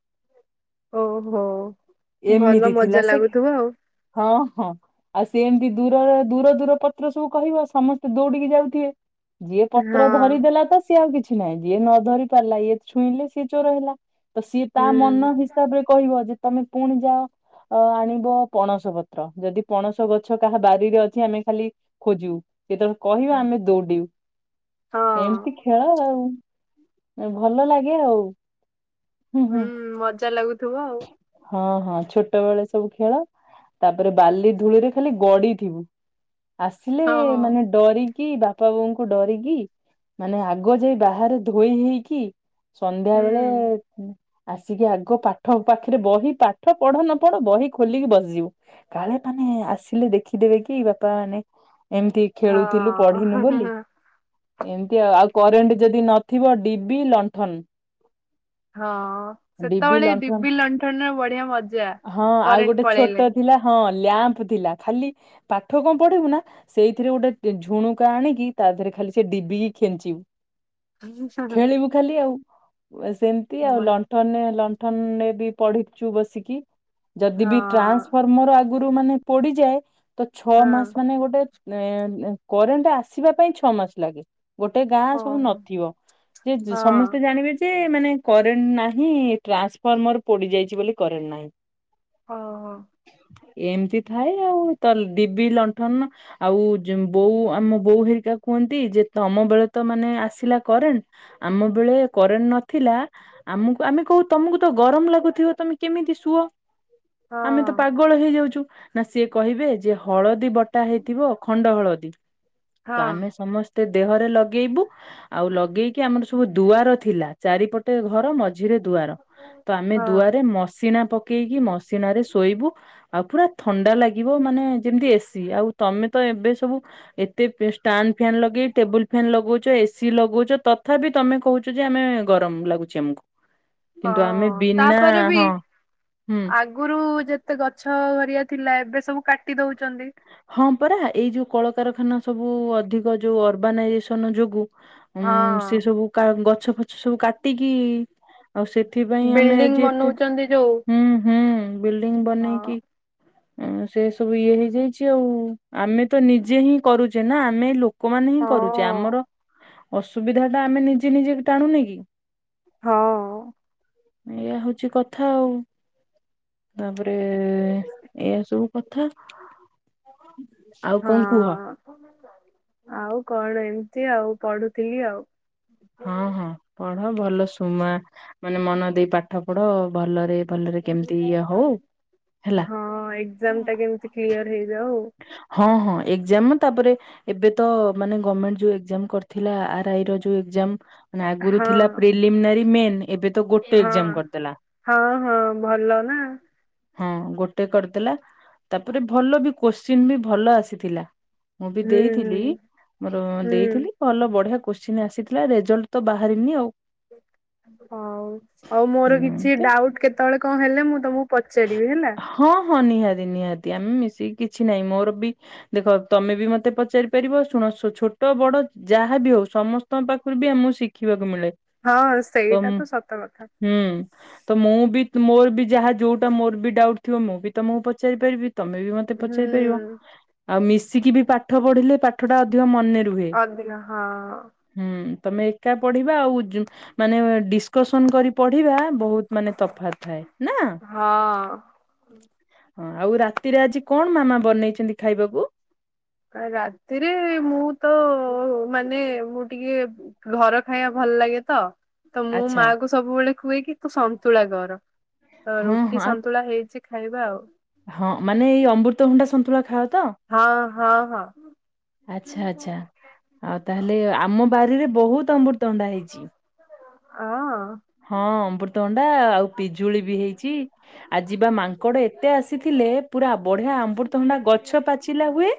ଓ ହୋ ଭଲ ଏମିତି ଥିଲା ମଜା ସେ ଲାଗୁଥିବ ଆଉ। ହଁ ହଁ ଆଉ ସିଏ ଏମିତି ଦୂର ଦୂର ଦୂର ପତ୍ର ସବୁ କହିବ, ସମସ୍ତେ ଦୌଡିକି ଯାଉଥିବେ ଯିଏ ପତ୍ର ଧରିଦେଲା ତ ସିଏ ଆଉ କିଛି ନାହିଁ। ଯିଏ ନ ଧରି ପାରିଲା, ଇଏ ଛୁଇଁଲେ ସିଏ ଚୋର ହେଲା। ତ ସିଏ ହଁ ତା ହୁଁ ମନ ହିସାବରେ କହିବ, ଯେ ତମେ ପୁଣି ଯାଅ ଅ ଆଣିବ ପଣସ ପତ୍ର, ଯଦି ପଣସ ଗଛ କାହା ବାରିରେ ଅଛି। ଆମେ ଖାଲି ଖୋଜିବୁ, ଯେତେବେଳେ କହିବ ଆମେ ଦୌଡିବୁ। ହଁ ଏମିତି ଖେଳ ଆଉ, ଭଲ ଲାଗେ ଆଉ। ହୁଁ ମଜା ଲାଗୁଥିବ ଆଉ। ହଁ- ହଁ ଛୋଟ ବେଳେ ସବୁ ଖେଳ, ତାପରେ ବାଲି ଧୂଳିରେ ଖାଲି ଗଡିଥିବୁ। ଆସିଲେ ଆଉ ହଁ ମାନେ ଡରିକି ବାପା ବୋଉଙ୍କୁ ଡରିକି, ମାନେ ଆଗ ଯାଇ ବାହାରେ ଧୋଇ ହୋଇକି, ସନ୍ଧ୍ୟା ବେଳେ ଆସିକି ଆଗ ପାଠ ପାଖରେ, ବହି ପାଠ ପଢ ନ ପଢ ବହି ଖୋଲିକି ବସିଯିବୁ। କାଳେ ମାନେ ଆସିଲେ ଦେଖିଦେବେ କି, ବାପା ମାନେ ଏମିତି ହଁ ଖେଳୁଥିଲୁ, ପଢିନୁ ହୁଁ ହଁ ବୋଲି ଏମିତି ଆଉ ଆଉ କରେଣ୍ଟ ଯଦି ନଥିବ ଡିବି, ଲଣ୍ଠନ ହଁ ଡିବି ସେତେବେଳେ ଲଣ୍ଠନ ଡିବି ଲଣ୍ଠନରେ ବଢିଆ ମଜା, ହଁ ଆଉ କରେଣ୍ଟ ଗୋଟେ ଛୋଟ ପଳେଇଲେ। ଥିଲା ହଁ। ଲ୍ୟାମ୍ପ ଥିଲା, ଖାଲି ପାଠ କଣ ପଢିବୁ ନା ସେଇଥିରେ ଗୋଟେ ଝୁଣୁକା ଆଣିକି। ତା ଧେରେ ଖାଲି ସେ ଡିବିକି ଖେଞ୍ଚିବୁ, ଖେଳିବୁ ଖାଲି ଆଉ। ସେମିତି ଆଉ ମଜା। ଲଣ୍ଠନ ଲଣ୍ଠନରେ ବି ପଢିଛୁ ବସିକି। ଯଦି ବି ହଁ ଟ୍ରାନ୍ସଫର୍ମର ଆଗରୁ ମାନେ ପୋଡିଯାଏ, ତ ଛଅ ମାସ ହଁ ମାନେ ଗୋଟେ ଏଁ କରେଣ୍ଟ ଆସିବା ପାଇଁ ଛଅ ମାସ ଲାଗେ। ଗୋଟେ ଗାଁ ଓ ସବୁ ନଥିବ, ଯେ ହଁ ସମସ୍ତେ ଜାଣିବେ ଯେ ମାନେ କରେଣ୍ଟ ନାହିଁ, ଟ୍ରାନ୍ସଫର୍ମର ପୋଡି ଯାଇଛି ବୋଲି କରେଣ୍ଟ ନାହିଁ। ଓ ହ। ଏମିତି ଥାଏ ଆଉ। ତ ଡିବି ଲଣ୍ଠନ ଆଉ ବୋଉ ଆମ ବୋଉ ହେରିକା [unintelligible] କୁହନ୍ତି ଯେ ତମ ବେଳେ ତ ମାନେ ଆସିଲା କରେଣ୍ଟ ଆମ ବେଳେ କରେଣ୍ଟ ନଥିଲା, ଆମକୁ ଆମେ କହୁ ତମକୁ ତ ଗରମ ଲାଗ ଗୁଥିବ। ତମେ କେମିତି ଶୁଅ? ଆମେ ତ ହଁ ପାଗଳ ହେଇଯାଉଛୁ। ନା ସିଏ କହିବେ ଯେ ହଳ ଦୀ ବଟା ହେଇଥିବ ଖଣ୍ଡ ହଳଦୀ, ତ ହଁ ଆମେ ସମସ୍ତେ ଦେହରେ ଲଗେଇବୁ। ଆଉ ଲଗେଇକି ଆମର ସବୁ ଦୁଆର ଥିଲା, ଚାରିପଟେ ଘର ମ ମଝିରେ ଦୁଆର, ତ ଆମେ ହଁ ଦୁଆରେ ମସିଣା ପ କେଇକି ମସିଣାରେ ଶୋଇବୁ, ଆଉ ପୁରା ଥଣ୍ଡା ଲାଗିବ। ମାନେ ଯେମିତି ଏସିି ଆଉ ତମେ ତ ଏବେ ସବୁ ଏତେ ଷ୍ଟାଣ୍ଡ ଫ୍ୟାନ ଲଗେଇ, ଟେବୁଲ ଫ୍ୟାନ୍ ଲଗଉ ଚ ଏସିି ଲଗଉଛ, ତଥାପି ତମେ କହୁଛ ଯେ ଆମେ ଗରମ ଲାଗୁଛି ଆମକୁ। ହଁ କିନ୍ତୁ ଆମେ ବିନା ତାପରେ ବି ହଁ ହୁଁ ଆଗରୁ ଯେ ତେ ଗଛ ହରିଆ ଥିଲା, ଏବେ ସବୁ କାଟି ଦଉଛନ୍ତି। ହଁ ପରା ଏଇ ଯୋଉ କଳକାରଖାନା ସବୁ ଅଧିକ, ଯୋଉ ଅର୍ବାନାଇଜେସନ ଯୋଗୁ ଉଁ ସେ ହଁ ସବୁ କା ଗଛ ଫଛ ସବୁ କାଟିକି ଆଉ ସେଥିପାଇଁ ଆମେ ବିଲ୍ଡିଂ ଆଜି ଏତେ ବନଉଛନ୍ତି ଯୋଉ ହୁଁ - ହୁଁ। ବିଲ୍ଡିଂ ହଁ ବନେଇକି ସେ ସବୁ ଇଏ ହେଇଯାଇଛି। ଚି ଆଉ ଆମେ ତ ନିଜେ ହିଁ କରୁଛେ ନା ଆମେ ଲୋକମାନେ ହିଁ ହଁ କରୁଚେ ଆମର। ଅସୁବିଧା ଟା ଆମେ ନିଜେ ନିଜେ ଟାଣୁନେ କି। ହଁ। ଏୟା ହୋଉଛି କଥା ଆଉ। ତା ପରେ ଏ ସବୁ କଥା। ଆଉ କଣ କୁହ। ହଁ ଆଉ କଣ ଏମ୍ ତି ଆଉ ପଢୁଥିଲି ଆଉ। ହଁ-ହଁ ପଢ ଭଲ ଶୁମା ମାନେ ମନ ଦେଇ ପାଠ ପଢ। ଭଲରେ-ଭଲରେ କେମ୍ ତି ଇଏ ହୋଉ। ହଁ ଏକ୍ଜାମ ଟା କେମିତି କ୍ଲିୟର ହେଇଯାଉ। ହଁ-ହଁ ଏକ୍ଜାମ ତାପରେ ଏବେ ତ ମାନେ ଗମେଣ୍ଟ ଯୋଉ ଏକ୍ଜାମ କରିଥିଲା ଆର ଆଇ ର ଯୋଉ ଏକ୍ଜାମ। ମାନେ ଆଗରୁ ହଁ ଥିଲା ପ୍ରିଲିମ୍ନାରୀ ମେନ୍। ଏବେ ତ ଗୋଟେ ହଁ। ଏକ୍ଜାମ କରିଦେଲା। ହଁ ହଁ ଭଲ ନା ହଁ ଗୋଟେ କରିଦେଲା ତାପରେ ଭଲ ବି କୋଶ୍ଚିନ୍ ବି ଭଲ ଆସିଥିଲା। ମୁଁ ବି ହୁଁ ହୁଁ ଦେଇଥିଲି ମୋର ହୁଁ ଦେଇଥିଲି ଭଲ ବଢ୍ୟା କୋଶ୍ଚିନ୍ ଆସିଥିଲା ରେଜଲ୍ଟ ତ ବାହାରିନି ଆଉ। ହୋଉ ହୋଉ ହୁଁ ମୋର କିଛି ଏମିତି ଡାଉଟ୍ କେତେବେଳେ କଁ ହେଲେ ମୁଁ ତମକୁ ପଚାରିବି ହେଲା। ରେ ନିହାତି ଆମେ ମିଶିକି କିଛି ନାହିଁ ମୋର୍ ବି ଦେଖ ତମେ ବି ମତେ ପଚାରି ପାରିବ ଶୁଣ ସୁ ଛୋ ଟ ବଡ ଯାହାବି ହୋଉ ସମସ୍ତଙ୍କ ପାଖୁରୁ ବି ଆମକୁ ଶିଖିବାକୁ ମିଳେ। ହଁ ସେଇଟା ତମ୍ ତ ସତ କଥା ହୁଁ ତ ମୁଁ ବି ମୋର ବି ଯାହା ଯୋଉଟା ମୋର୍ ବି ଡାଉଟ୍ ଥିବ ମୁଁ ବି ତମକୁ ପଚାରି ପାରିବି। ତମେ ବି ମତେ ହୁଁ ପଚାଇ ପାରିବ ଆଉ ମିଶିକି ବି ପାଠ ପଢିଲେ ପାଠ ଟା ଅଧିକ ମନ ନେ ରୁହେ ଅଧିକ ହଁ। ହୁଁ। ତମେ ଏକା ପଢ଼ିବା ଆଉ ଯୁ ମାନେ ଡିସକସନ କରି ପଢିବା ବହୁତ୍ ମାନେ ତଫାାତ ଥାଏ ନା? ହଁ। ହଁ ଆଉ ରାତିରେ ଆଜି କଣ ମାମା ବନେଇଛନ୍ତି ଖାଇବାକୁ? ରାତିରେ ମୁଁ ତ ଓ ମାନେ ମୁଁ ଟିକେ ଘର ଖାଇବା ଭଲ୍ ଲାଗେ ତ। ତ ମୁଁ ଆଚ୍ଛା ମାଆ କୁ ସବୁବେଳେ ଖୁଅ କି ତୁ ସନ୍ତୁଳା କର ତ ହଁ ହଁ ରୁଟି ଆ ସନ୍ତୁଳା ହେଇଛି। ଖାଇବା ଆଉ। ହଁ ମାନେ ଏଇ ଅମୃତ ହୁଣ୍ଡା ସନ୍ତୁଳା ଖାଅ ତ? ହଁ ହଁ ହଁ। ଆଛା-ଆଛା ଆ ତାହେଲେ ଆମ ବାରିରେ ବହୁତ୍ ଅମୃତଣ୍ଡା ହେଇଛି। ଅଁ। ହଁ ଅମୃତଭଣ୍ଡା ଆଉ ପିଜୁଳି ବି ହେଇଛି ଆ ଯିବା ମାଙ୍କଡ଼ ଏତେ ଆସିଥିଲେ। ପୁରା ବଢିଆ ଆମ୍ବୃତଣ୍ଡା ଗଛ ପାଚିଲା ହୁଏ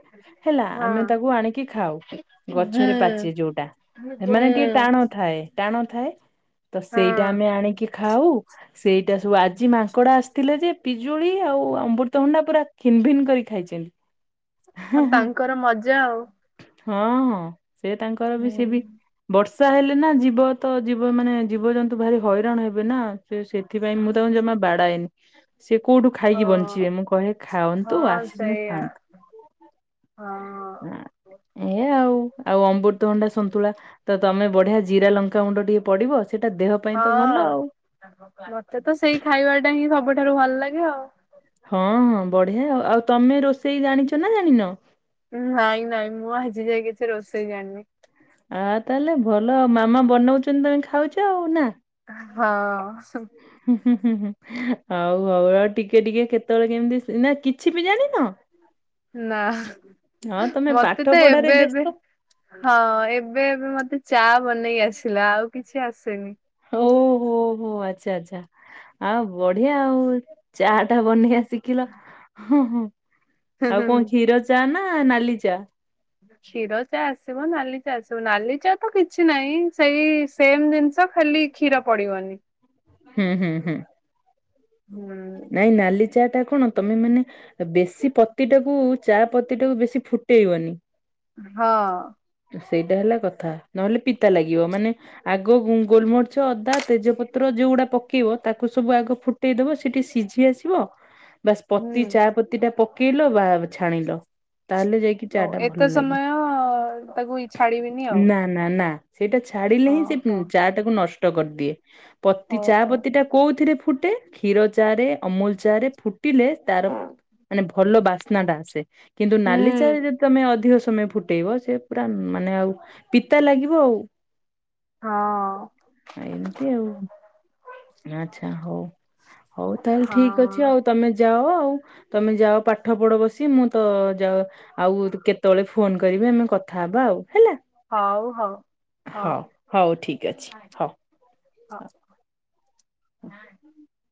ହେଲା ହଁ ଆମେ ତାକୁ ଆଣିକି ଖାଉ। ଗଛରେ ପାଚେ ହୁଁ ଯୋଉଟା ହୁଁ ସେମାନେ ଟିକେ ଟାଣ ଥାଏ। ଟାଣ ଥାଏ ତ ହଁ। ସେଇଟା ଆମେ ଆଣିକି ଖାଉ ସେଟା ସବୁ ଆଜି ମା କଡା ଆସଥିଲେ ଯେ ପିଜୁଳି ଆଉ ଅମୃତ ହଣ୍ଡା ପୁରା ଖିନ ଭିନ୍ କରି ଖାଇଛନ୍ତି। ଆଉ ତାଙ୍କର ମଜା ଆଉ। ହଁ-ହଁ ସେ ତାଙ୍କର ବି ସେ ବି ବର୍ଷା ହେଲେ ନା ଯିବ ତ ଯିବ ମାନେ ଜୀବଜନ୍ତୁ ଭାରି ହଇରାଣ ହେବେ ନା ସେ ସେଥିପାଇଁ ମୁଁ ତାଙ୍କୁ ଜମା ବାଡାଏନି। ସେ କୋଉଠୁ ଖାଇକି ବଞ୍ଚିବେ ହଁ ମୁଁ କହେ ଖାଅନ୍ତୁ ହଁ ଆସିଛନ୍ତି ସେଇଆ ଖାଆନ୍ତୁ। ହଁ ଆଁ। ଏ ଆଉ-ଆଉ ଅମୃତଭଣ୍ଡା ସନ୍ତୁଳା ତ ତମେ ବଢିଆ ଜିରା ଲଙ୍କା ଗୁଣ୍ଡ ଟିକେ ପଡିବ। ସେଇଟା ଦେହ ପାଇଁ ହଁ ତ ଭଲ ଆଉ। ମତେ ତ ସେଇ ଖାଇବା ଟା ହିଁ ସବୁଠାରୁ ଭଲ ଲାଗେ ଆଉ। ହଁ ହଁ ବଢିଆ ଆଉ ତମେ ରୋଷେଇ ଜାଣିଚ ନା ଜାଣିନ? ନାଇଁ ନାଇଁ ମୁଁ ଆଜି ଯାଏ କିଛି ରୋଷେଇ ଜାଣିନି। ଆଉ ତାହେଲେ ଭଲ ମାମା ବନୋଉଚନ୍ତି ତମେ ଖାଉଚ ଆଉ ନାଁ। ହଁ ହୁଁ। ହୁଁ ହୁଁ ହୁଁ ହୋଉ ହୋଉ ଆଉ ଟିକେ ଟିକେ କେତେବେଳେ କେମିତି ସେ ନା କିଛି ବି ଜାଣିନ? ନାଁ ‌ ହଁ [unintelligible] ତମେ ମତେ ପାଠ ତ ପଢାରେ ଏବେ ଏବେ ବ୍ୟସ୍ତ ହଁ ଏବେ ଏବେ ମତେ ଚା ବନେଇ ଆସିଲା ଆଉ କିଛି ଆସେନି। ଓ ହୋ ହୋ ଆଚ୍ଛା ଆଚ୍ଛା ଆଉ ବଢିଆ ଆଉ ଚା ଟା ବନେଇ ଆ ଶିଖିଲ ହୁଁ ହୁଁ ହୁଁ ଆଉ ହୁଁ ହୁଁ କଣ କ୍ଷୀର ଚା ନା ନାଲି ଚା? କ୍ଷୀର ଚା ଆସିବ ନାଲି ଚା ଆସିବ ନାଲି ଚା ତ କିଛି ନାହିଁ ସେଇ ସେମ ଜିନିଷ ଖାଲି କ୍ଷୀର ପଡିବନି। ହୁଁ ହୁଁ ହୁଁ ହୁଁ ନାଇଁ ନାଲି ଚା ଟା କଣ ତମେ ମାନେ ବେଶୀ ପତି ଟାକୁ ଚା ପତି ଟାକୁ ବେଶୀ ଫୁଟେଇବନି। ହଁ। ସେଇଟା ହେଲା କଥା ନହେଲେ ପିତା ଲାଗିବ ମାନେ ଆଗ ଗୋ-ଗୋଲମରିର, ଅଦା, ତେଜପ ତ୍ର ଯୋଉଗୁଡା ପକେଇବ ତାକୁ ସବୁ ଆଗ ଫୁଟେଇ ଦବ ସେ ଟିକେ ସିଝି ଆସିବ ବାସ୍ ହୁଁ ପତି ଚା ପତିଟା ପକେଇଲ ବାଆ ଛାଣିଲ। ତାହେଲେ ଯାଇକି ଚା ଓ ଟା ଭଲ ଏତେ ଲାଗେ ସମୟ ତାକୁଇ ଛାଡିବିନି ଆଉ। ନା ନା ନା ସେଇଟା ଛାଡିଲେ ହଁ ହିଁ ସେ ହଁ। ଚା ଟାକୁ ନଷ୍ଟ କରିଦିଏ ପତି ଚା ଓହୋ ପତିଟା କୋଉଥିରେ ଫୁଟେ କ୍ଷୀର ଚା ରେ ଅମୁଲ ଚା ରେ ଫୁଟିଲେ ତାର ମାନେ ଭଲ ବାସ୍ନା ଟା ଆସେ କିନ୍ତୁ ହୁଁ ନାଲି ଚା ର ଯଦି ତମେ ଅଧିକ ସ ମୟ ଫୁଟେଇବ ସେ ପୁରା ମାନେ ଆଉ ପିତା ଲାଗିବ ଆଉ। ହଁ ଏମିତି ଆଉ। ଆଚ୍ଛା ହୋଉ ହୋଉ ତାହେଲେ ଠିକ ଅଛି ହଁ ଆଉ ତମେ ଯାଅ ଆଉ। ତମେ ଯାଅ ପାଠ ପଢ ବସି ମୁଁ ତ ଯାଅ ଆଉ କେତେବେଳେ ଫୋନ କରିବି ଆମେ କଥାହବା ଆଉ। ହେଲା ହଉ ହଉ ହଉ ହୋଉ ହୋଉ ଠିକ୍ ଅଛି ହୋଉ। [unintelligible]